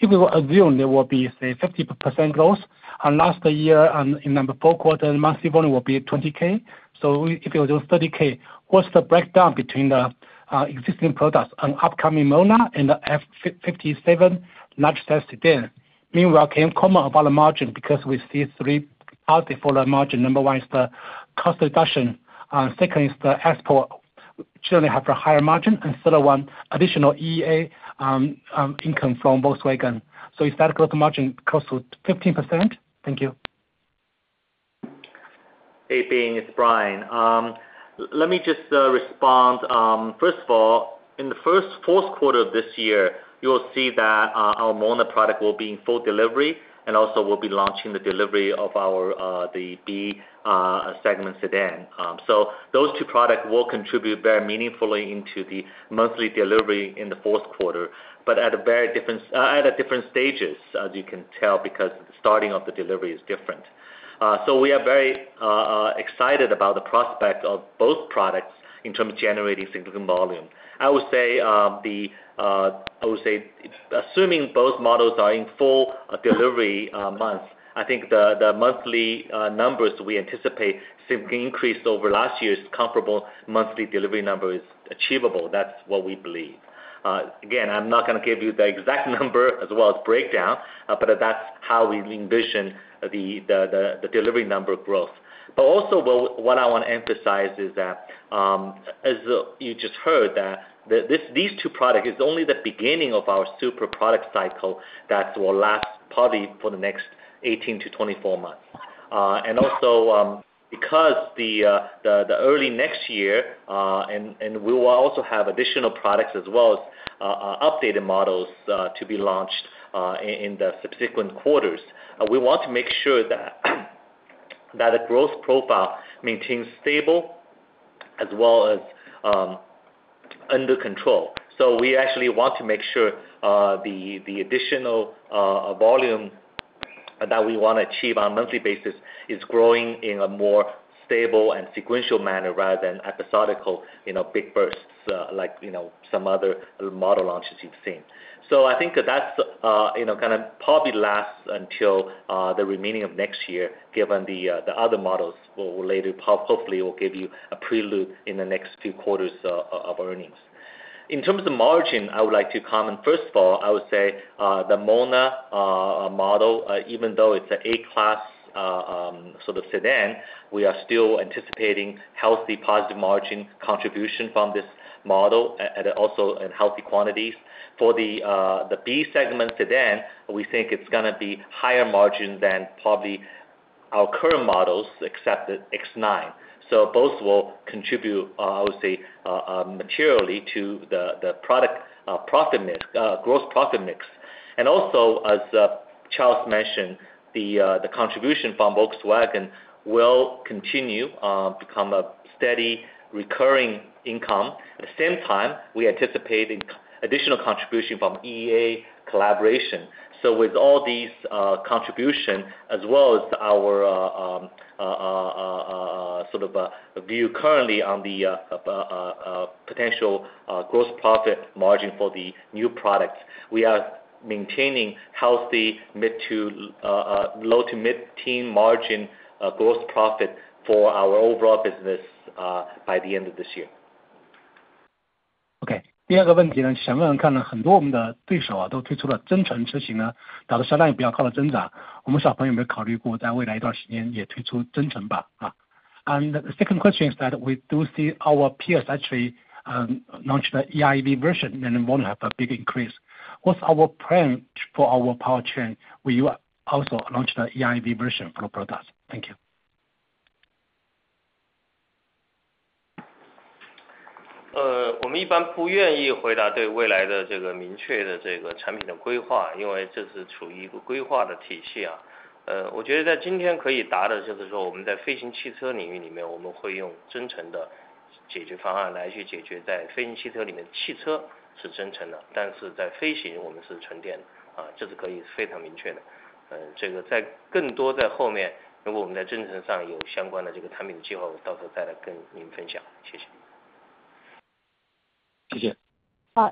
If we assume there will be, say, 50% growth, and last year in the fourth quarter, monthly volume was at 20K. So if it was 30K, what's the breakdown between the existing products and upcoming MONA and the F57 large sedan there? Meanwhile, can you comment about the margin? Because we see three drivers for the margin. Number one is the cost reduction, second is the export, certainly have a higher margin and third one, additional E/E income from Volkswagen. So if that gross margin goes to 15%? Thank you. Hey, Bin, it's Brian. Let me just respond. First of all, in the fourth quarter of this year, you will see that our MONA product will be in full delivery, and also we'll be launching the delivery of our the B segment sedan. So those two product will contribute very meaningfully into the monthly delivery in the fourth quarter, but at a very different at a different stages, as you can tell, because the starting of the delivery is different. So we are very excited about the prospect of both products in terms of generating significant volume. I would say, the I would say, assuming both models are in full delivery month, I think the the monthly numbers we anticipate significantly increased over last year's comparable monthly delivery number is achievable. That's what we believe. Again, I'm not gonna give you the exact number as well as breakdown, but that's how we envision the delivery number growth. But also what I want to emphasize is that, as you just heard, that this, these two product is only the beginning of our super product cycle, that will last probably for the next 18-24 months. And also, because the early next year, and we will also have additional products as well as updated models to be launched in the subsequent quarters, we want to make sure that the growth profile maintains stable as well as under control. So we actually want to make sure the additional volume that we wanna achieve on a monthly basis is growing in a more stable and sequential manner rather than episodic, you know, big bursts, like, you know, some other model launches you've seen. So I think that's you know gonna probably last until the remaining of next year, given the other models will related, hopefully will give you a prelude in the next few quarters of earnings. In terms of margin, I would like to comment. First of all, I would say the MONA model even though it's an A-class sort of sedan, we are still anticipating healthy, positive margin contribution from this model and also in healthy quantities. For the B-class sedan, we think it's gonna be higher margin than probably our current models except the X9. So both will contribute, I would say, materially to the product profit mix, gross profit mix. And also, as Charles mentioned, the contribution from Volkswagen will continue to become a steady, recurring income. At the same time, we anticipate additional contribution from E/E Architecture collaboration. So with all these contributions, as well as our sort of view currently on the potential gross profit margin for the new products, we are maintaining healthy mid- to low- to mid-teen margin gross profit for our overall business by the end of this year. Okay. The other question, and the second question is that we do see our peers actually launch the EREV version, and it won't have a big increase. What's our plan for our powertrain? We are also launched an EREV version for the product. Thank you.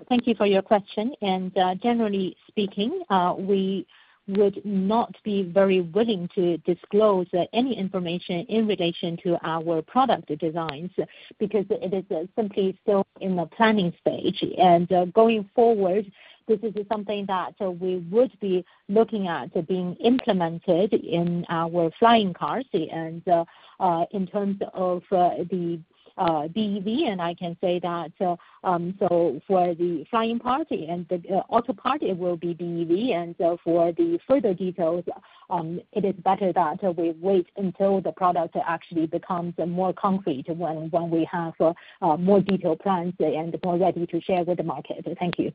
Thank you for your question. Generally speaking, we would not be very willing to disclose any information in relation to our product designs, because it is simply still in the planning stage. Going forward, this is something that we would be looking at being implemented in our flying cars. In terms of the BEV, and I can say that so for the flying part and the auto part, it will be BEV. So for the further details, it is better that we wait until the product actually becomes more concrete when we have more detailed plans and more ready to share with the market. Thank you.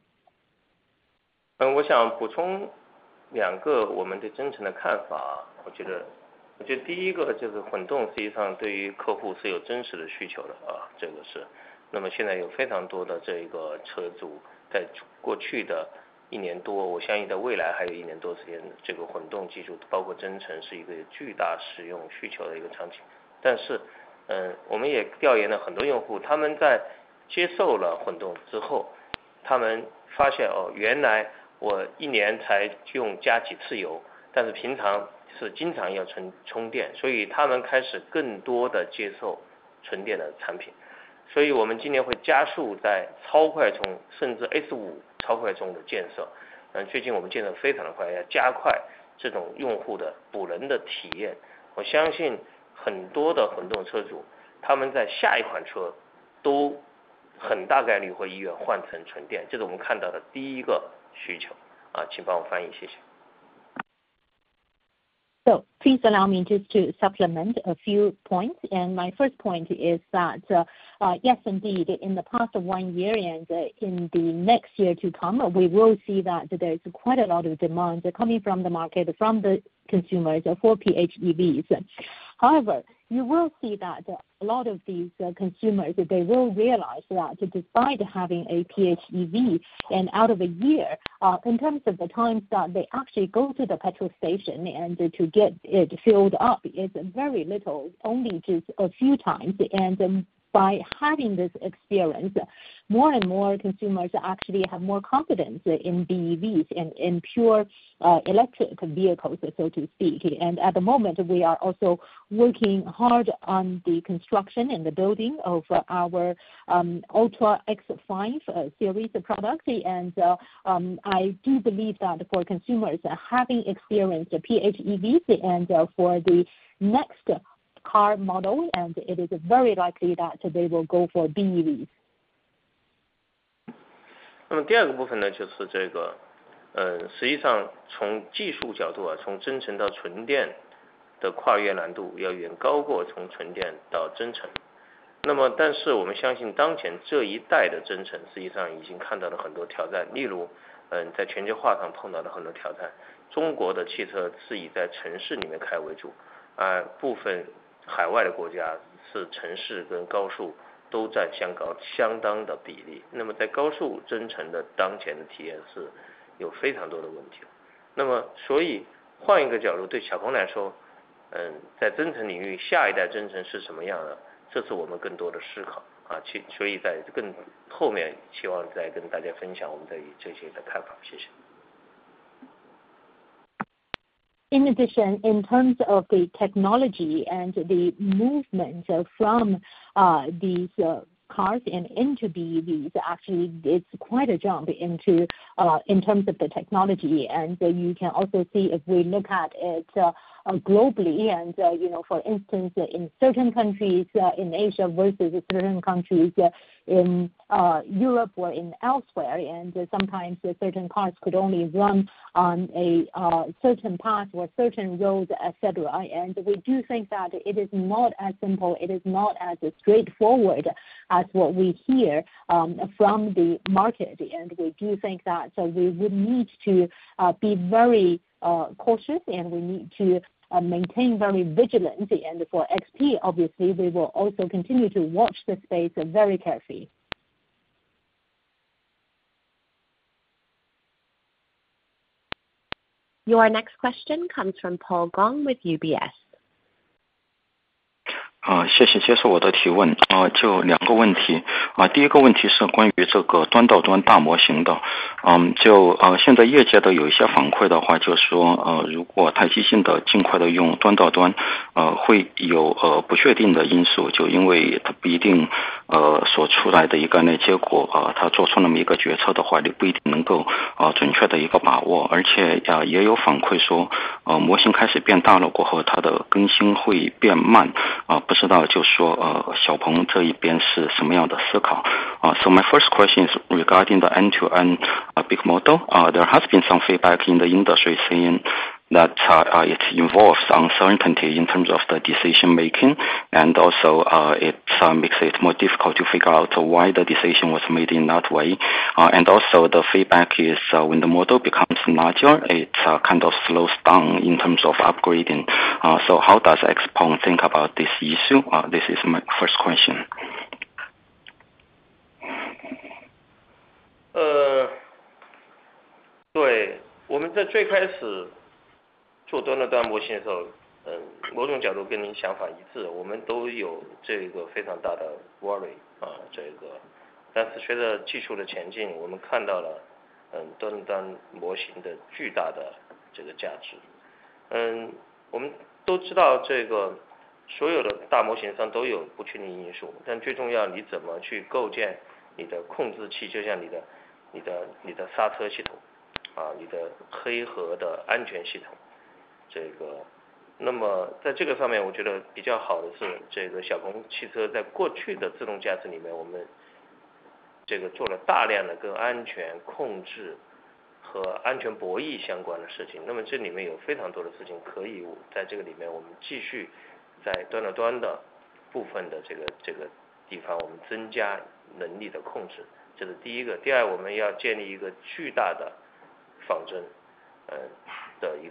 please allow me just to supplement a few points, and my first point is that yes, indeed, in the past one year and in the next year to come, we will see that there is quite a lot of demand coming from the market, from the consumers for PHEVs. However, you will see that a lot of these consumers, they will realize that despite having a PHEV and out of a year, in terms of the time that they actually go to the petrol station and to get it filled up, is very little, only just a few times. And by having this experience, more and more consumers actually have more confidence in BEVs, in pure electric vehicles, so to speak. And at the moment, we are also working hard on the construction and the building of our S5 series of products. And I do believe that for consumers having experienced PHEVs and for the next car model, and it is very likely that they will go for BEVs. In addition, in terms of the technology and the movement from these cars and into BEVs, actually it's quite a jump into in terms of the technology. And you can also see, if we look at it globally, and you know, for instance, in certain countries in Asia versus certain countries in Europe or in elsewhere, and sometimes certain cars could only run on a certain path or certain roads, etc. And we do think that it is not as simple, it is not as straightforward as what we hear from the market, and we do think that we would need to be very cautious, and we need to maintain very vigilant. And for XP, obviously, we will also continue to watch this space very carefully. Your next question comes from Paul Gong with UBS. So my first question is regarding the end-to-end large model. There has been some feedback in the industry saying that it involves uncertainty in terms of the decision making, and also it makes it more difficult to figure out why the decision was made in that way. And also the feedback is when the model becomes larger, it kind of slows down in terms of upgrading. So how does XPeng think about this issue? This is my first question. Yes, when we first started doing end-to-end models, from a certain angle it was consistent with your idea. We all had this very big worry. But as technology advanced, we saw the huge value of end-to-end models. We all know that all large models have uncertain factors, but the most important thing is how you go about building your controller, just like your brake system, your black box safety system. So in this aspect, I think what's relatively good is that XPeng, in past autonomous driving efforts, did a large amount of work related to safety control and safety game theory. There are many things here that we can continue in the end-to-end part, in this area, where we add control over capabilities; this is the first one. Second, we want to establish a huge simulation, a complete testing system, to be able to do more of this in simulation... 在这个里面去花了非常大的力 气， 正在去做的这个事情。好， 先帮我翻译这一 段， 谢谢。...Thank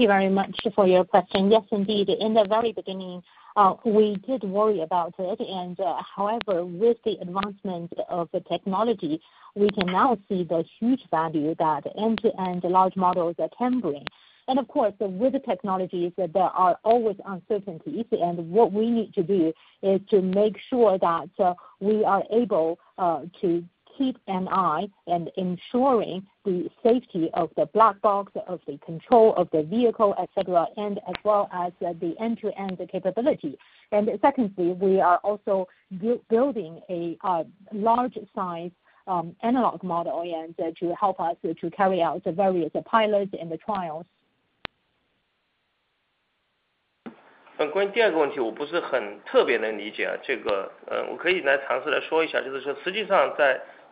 you very much for your question. Yes, indeed. In the very beginning, we did worry about it, and however, with the advancement of the technology, we can now see the huge value that end-to-end large models can bring. And of course, with the technologies, there are always uncertainties, and what we need to do is to make sure that we are able to keep an eye and ensuring the safety of the black box, of the control of the vehicle, etc. And as well as the end-to-end capability. And secondly, we are also building a large size analog model, and to help us to carry out the various pilots and the trials.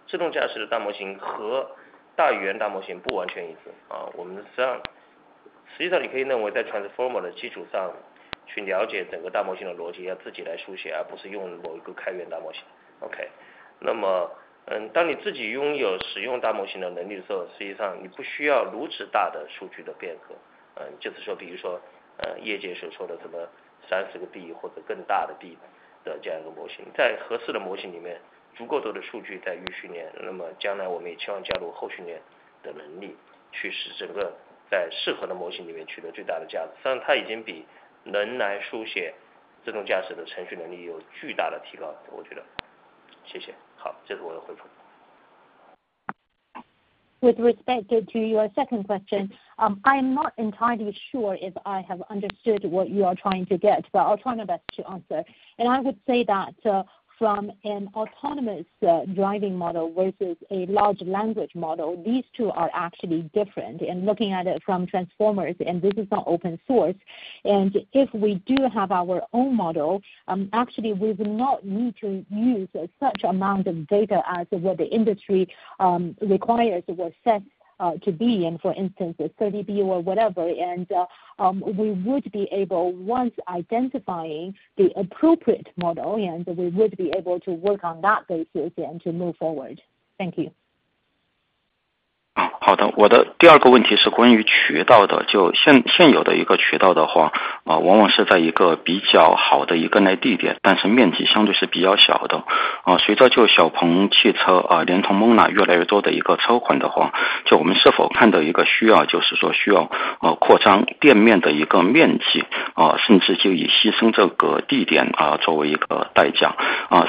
关于第二个问题，我不是很特别能理解，这个，我可以来尝试来说一下，就是说实际上在自动驾驶的大模型和大语言大模型不完全一致，我们实际上，实际上你可以认为在Transformer的基础上，了解整个大模型的逻辑，要自己来书写，而不是用某个开源大模型。OK，那么，当你自己拥有使用大模型的能力的时候，实际上你不需要如此大的数据的变革。就是说，比如说，业界所说的什么30个B或者更大的B的这样的一个模型，在合适的模型里面，足够多的数据在预训练，那么将来我们也期望加入后续训练的能力，去使整个在合适的模型里面取得最大的价值，当然它已经比人来书写自动驾驶的程序能力有巨大的提高，我觉得。谢谢！好，这是我的回复。With respect to your second question, I'm not entirely sure if I have understood what you are trying to get, but I'll try my best to answer. I would say that, from an autonomous driving model versus a large language model, these two are actually different. Looking at it from Transformer, and this is not open source, and if we do have our own model, actually we would not need to use such amount of data as what the industry requires or set to be in for instance, 30 B or whatever, and we would be able, once identifying the appropriate model, and we would be able to work on that basis and to move forward. Thank you.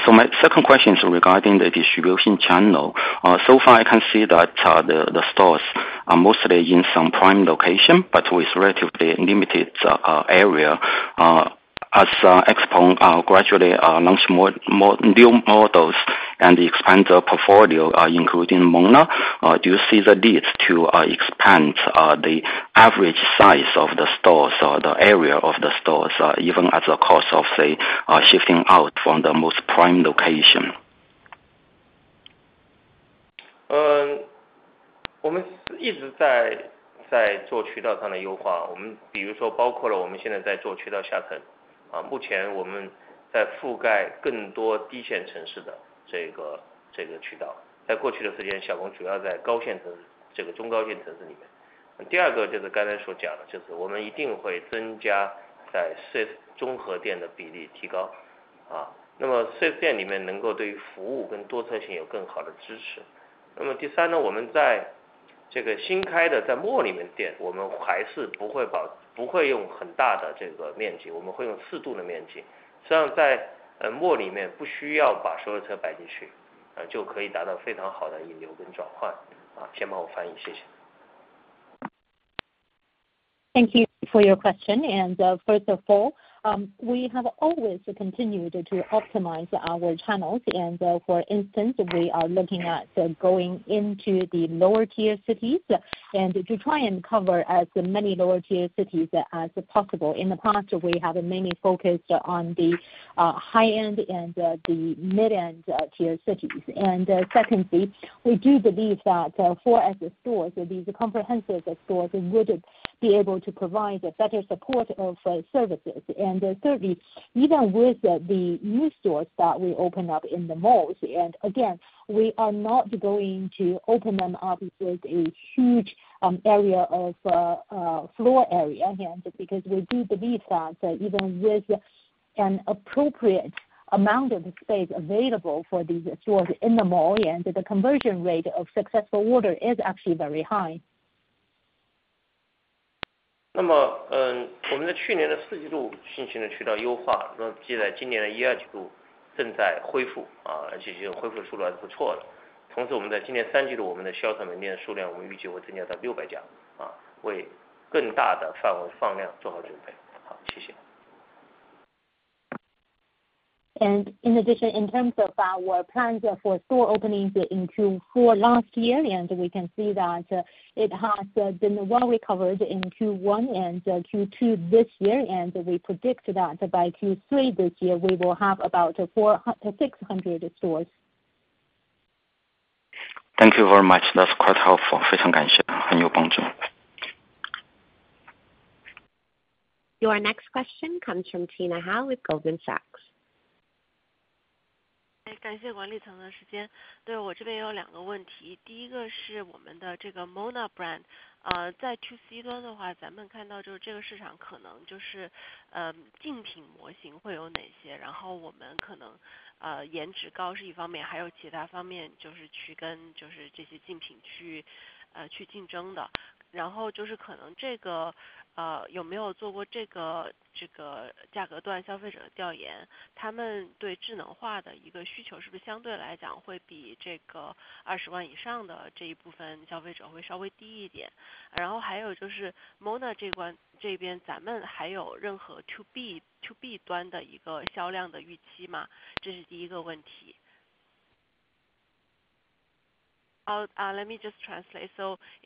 So my second question is regarding the distribution channel. So far I can see that the stores are mostly in some prime location, but with relatively limited area, as XPeng gradually launch more new models and expand their portfolio, including MONA. Do you see the needs to expand the average size of the stores or the area of the stores, even at the cost of say shifting out from the most prime location? Thank you for your question. First of all, we have always continued to optimize our channels, and for instance, we are looking at going into the lower tier cities and to try and cover as many lower tier cities as possible. In the past, we have mainly focused on the high-end and the mid-end tier cities. Secondly, we do believe that 4S stores will be the comprehensive stores, and would be able to provide a better support of services. Thirdly, even with the new stores that we open up in the malls, and again, we are not going to open them up with a huge area of floor area, and because we do believe that even with an appropriate amount of space available for these stores in the mall, and the conversion rate of successful order is actually very high. 那么，我们在去年的四季度进行了渠道优化，那么继在今年的 一、二季度正在恢复，而且已经恢复得不错的。同时我们在今年三季度，我们的销售门店数量我们预计会增加到 600 家，为更大的范围放量做好准备。好，谢谢。In addition, in terms of our plans for store openings in Q4 last year, we can see that it has been well recovered in Q1 and Q2 this year, and we predict that by Q3 this year, we will have about 400-600 stores. Thank you very much! That's quite helpful. 非常感谢，很有帮助。Your next question comes from Tina Hou with Goldman Sachs. So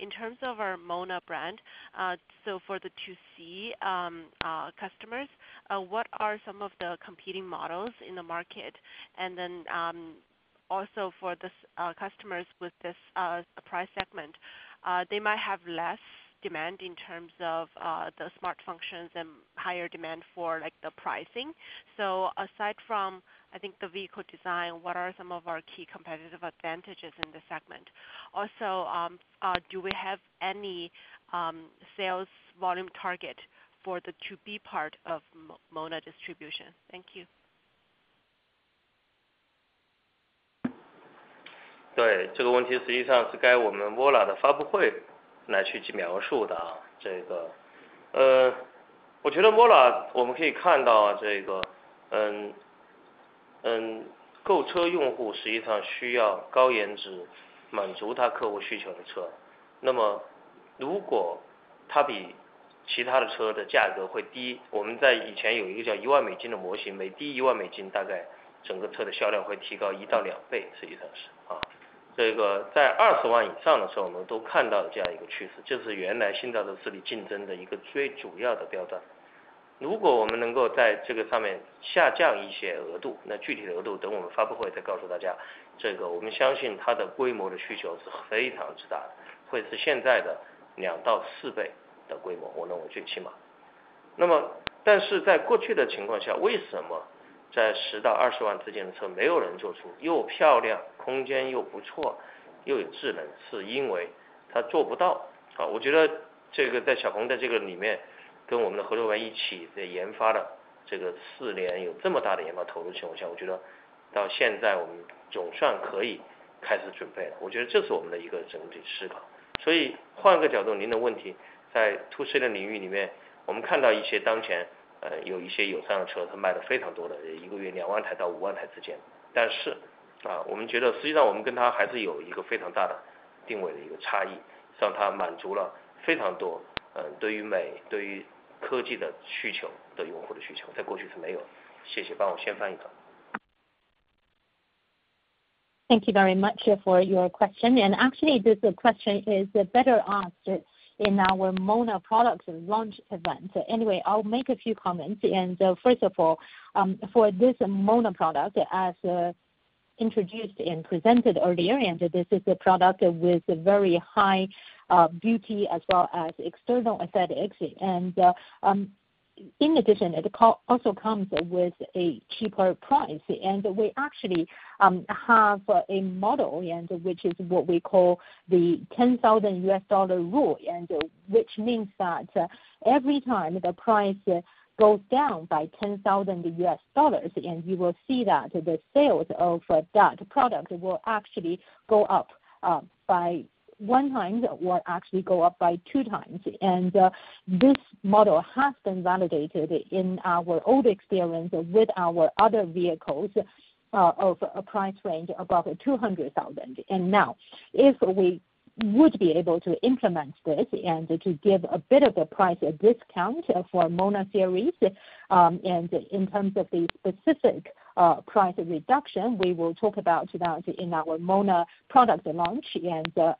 in terms of our MONA brand, so for the to C customers, what are some of the competing models in the market? And then also for this customers with this price segment, they might have less demand in terms of the smart functions and higher demand for like the pricing. So aside from I think the vehicle design, what are some of our key competitive advantages in the segment? Also, do we have any sales volume target for the to B part of MONA distribution? Thank you. Thank you very much for your question. Actually this question is better asked in our MONA products launch event. Anyway, I'll make a few comments. First of all, for this MONA product as introduced and presented earlier, and this is a product with very high beauty as well as external aesthetics. In addition, it also comes with a cheaper price, and we actually have a model which is what we call the $10,000 rule, which means that every time the price goes down by $10,000, and you will see that the sales of that product will actually go up by one time, will actually go up by two times. This model has been validated in our old experience with our other vehicles of a price range above 200,000. Now, if we would be able to implement this and to give a bit of a price discount for MONA series, and in terms of the specific price reduction, we will talk about that in our MONA product launch.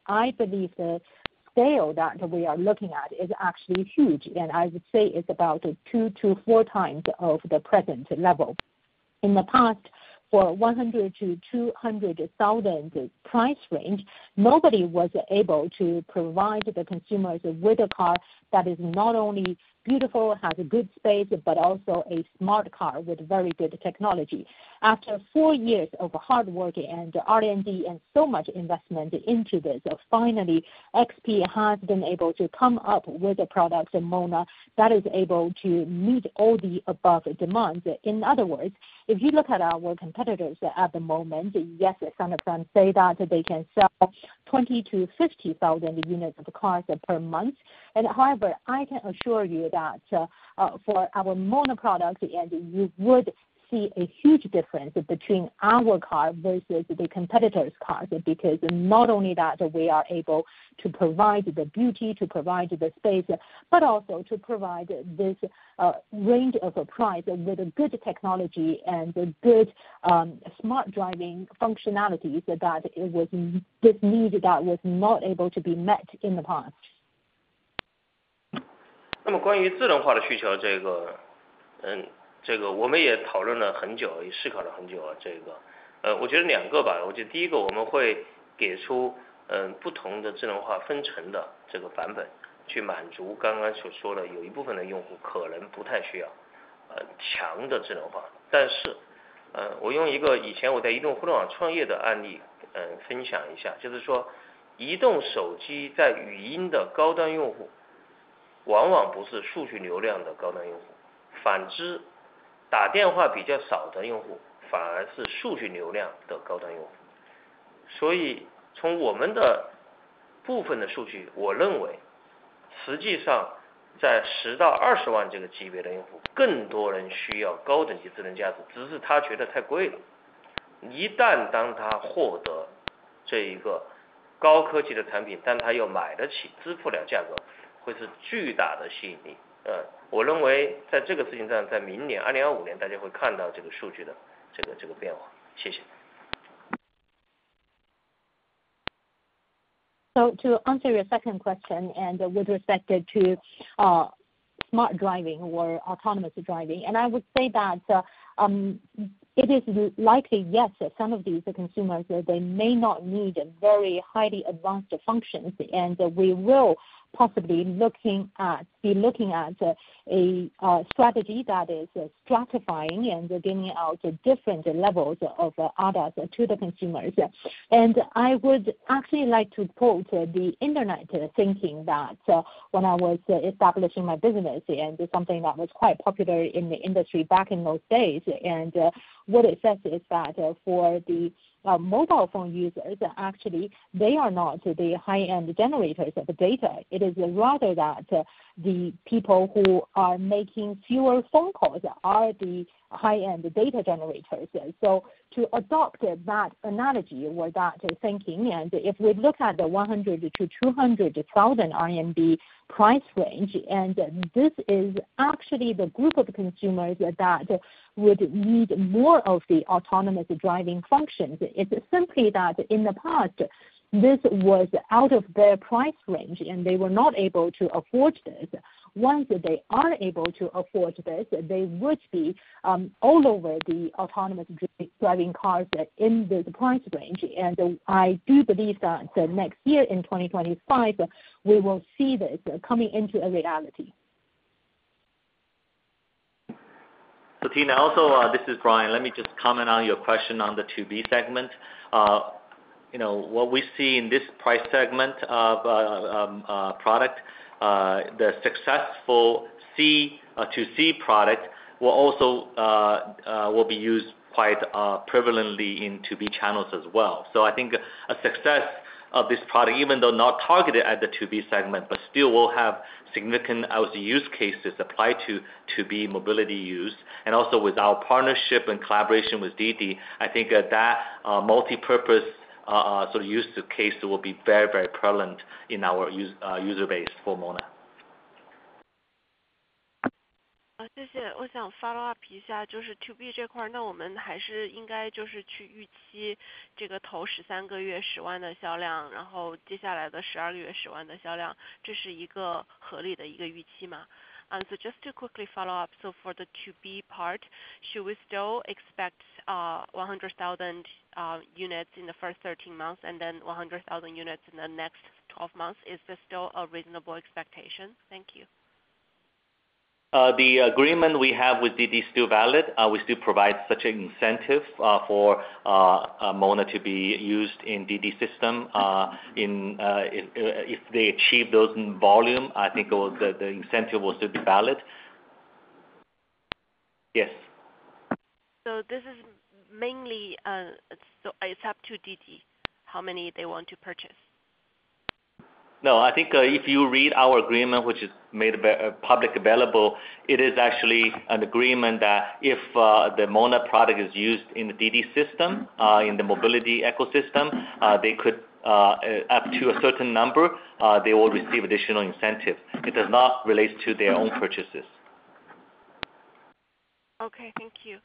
I believe the sale that we are looking at is actually huge, and I would say it's about 2-4 times of the present level. In the past, for 100,000-200,000 price range, nobody was able to provide the consumers with a car that is not only beautiful, has a good space, but also a smart car with very good technology. After 4 years of hard work and R&D and so much investment into this, finally, XPeng has been able to come up with a product in MONA that is able to meet all the above demands. In other words, if you look at our competitors at the moment, yes, some of them say that they can sell 20,000-50,000 units of cars per month. However, I can assure you that for our MONA products, and you would see a huge difference between our car versus the competitors cars, because not only that, we are able to provide the beauty, to provide the space, but also to provide this range of a price with a good technology and a good smart driving functionalities that it was this need that was not able to be met in the past. So to answer your second question, and with respect to smart driving or autonomous driving, and I would say that it is likely, yes, some of these consumers, they may not need a very highly advanced functions, and we will be looking at a strategy that is stratifying and giving out different levels of products to the consumers. And I would actually like to quote the Internet thinking that when I was establishing my business and something that was quite popular in the industry back in those days, and what it says is that for the mobile phone users, actually they are not the high-end generators of the data. It is rather that the people who are making fewer phone calls are the high-end data generators. To adopt that analogy or that thinking, and if we look at the 100,000-200,000 RMB price range, and this is actually the group of consumers that would need more of the autonomous driving functions, it's simply that in the past, this was out of their price range and they were not able to afford this. Once they are able to afford this, they would be all over the autonomous driving cars in this price range. And I do believe that the next year, in 2025, we will see this coming into a reality. So Tina, also, this is Brian. Let me just comment on your question on the B segment. You know, what we see in this price segment of product, the successful ToC product will also will be used quite prevalently in ToB channels as well. So I think a success of this product, even though not targeted at the ToB segment, but still will have significant out use cases apply to to B mobility use, and also with our partnership and collaboration with DiDi. I think that multipurpose sort of use case will be very, very prevalent in our user base for MONA. Just to quickly follow up. For the ToB part, should we still expect 100,000 units in the first 13 months and then 100,000 units in the next 12 months? Is this still a reasonable expectation? Thank you. The agreement we have with DiDi still valid. We still provide such an incentive for MONA to be used in DiDi system if they achieve those volume. I think the incentive will still be valid. Yes. This is mainly, so it's up to DiDi, how many they want to purchase? No, I think, if you read our agreement, which is made publicly available, it is actually an agreement that if the MONA product is used in the DiDi system, in the mobility ecosystem, they could, up to a certain number, they will receive additional incentives. It does not relate to their own purchases. Okay, thank you.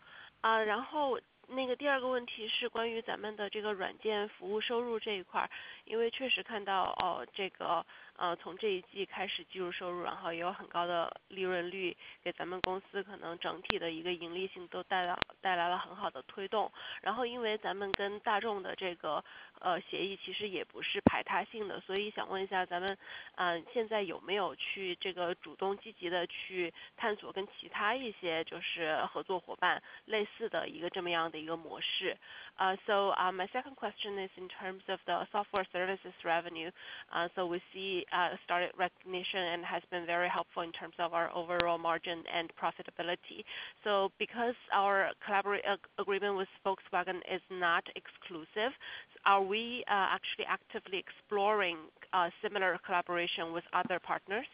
So my second question is about our software services revenue. Because we indeed see that from this quarter it started to be recognized as revenue, and it also has a very high profit margin, giving our company possibly the overall profitability brought a very good boost. Then because our agreement with Volkswagen is actually not exclusive, so I want to ask, are we now actively exploring similar models with other partners? Uh, so, uh, my second question is in terms of the software services revenue. So, revenue recognition has started and has been very helpful in terms of our overall margin and profitability. So because our collaboration agreement with Volkswagen is not exclusive, are we actually actively exploring similar collaboration with other partners?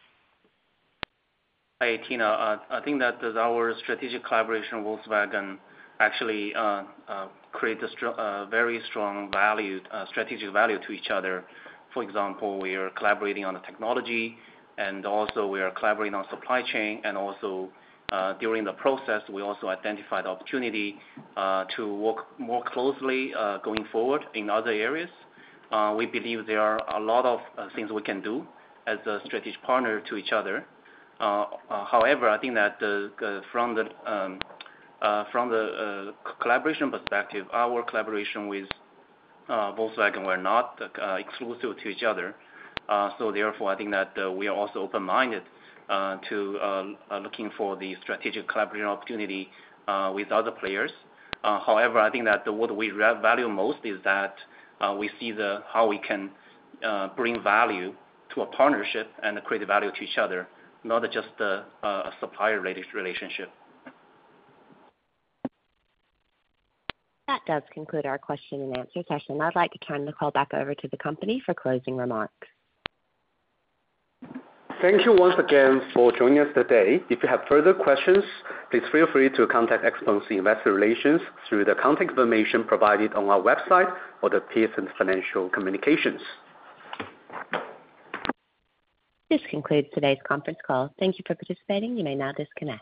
Hi, Tina. I think that our strategic collaboration with Volkswagen actually creates a very strong value, strategic value to each other. For example, we are collaborating on the technology, and also we are collaborating on supply chain and also, during the process, we also identified the opportunity to work more closely, going forward in other areas. We believe there are a lot of things we can do as a strategic partner to each other. However, I think that, from the collaboration perspective, our collaboration with Volkswagen, we're not exclusive to each other. So therefore, I think that we are also open-minded to looking for the strategic collaboration opportunity with other players. However, I think that what we value most is that we see how we can bring value to a partnership and create value to each other, not just a supplier relationship. That does conclude our question and answer session. I'd like to turn the call back over to the company for closing remarks. Thank you once again for joining us today. If you have further questions, please feel free to contact XPeng's Investor Relations through the contact information provided on our website or The Piacente Group. This concludes today's conference call. Thank you for participating, you may now disconnect.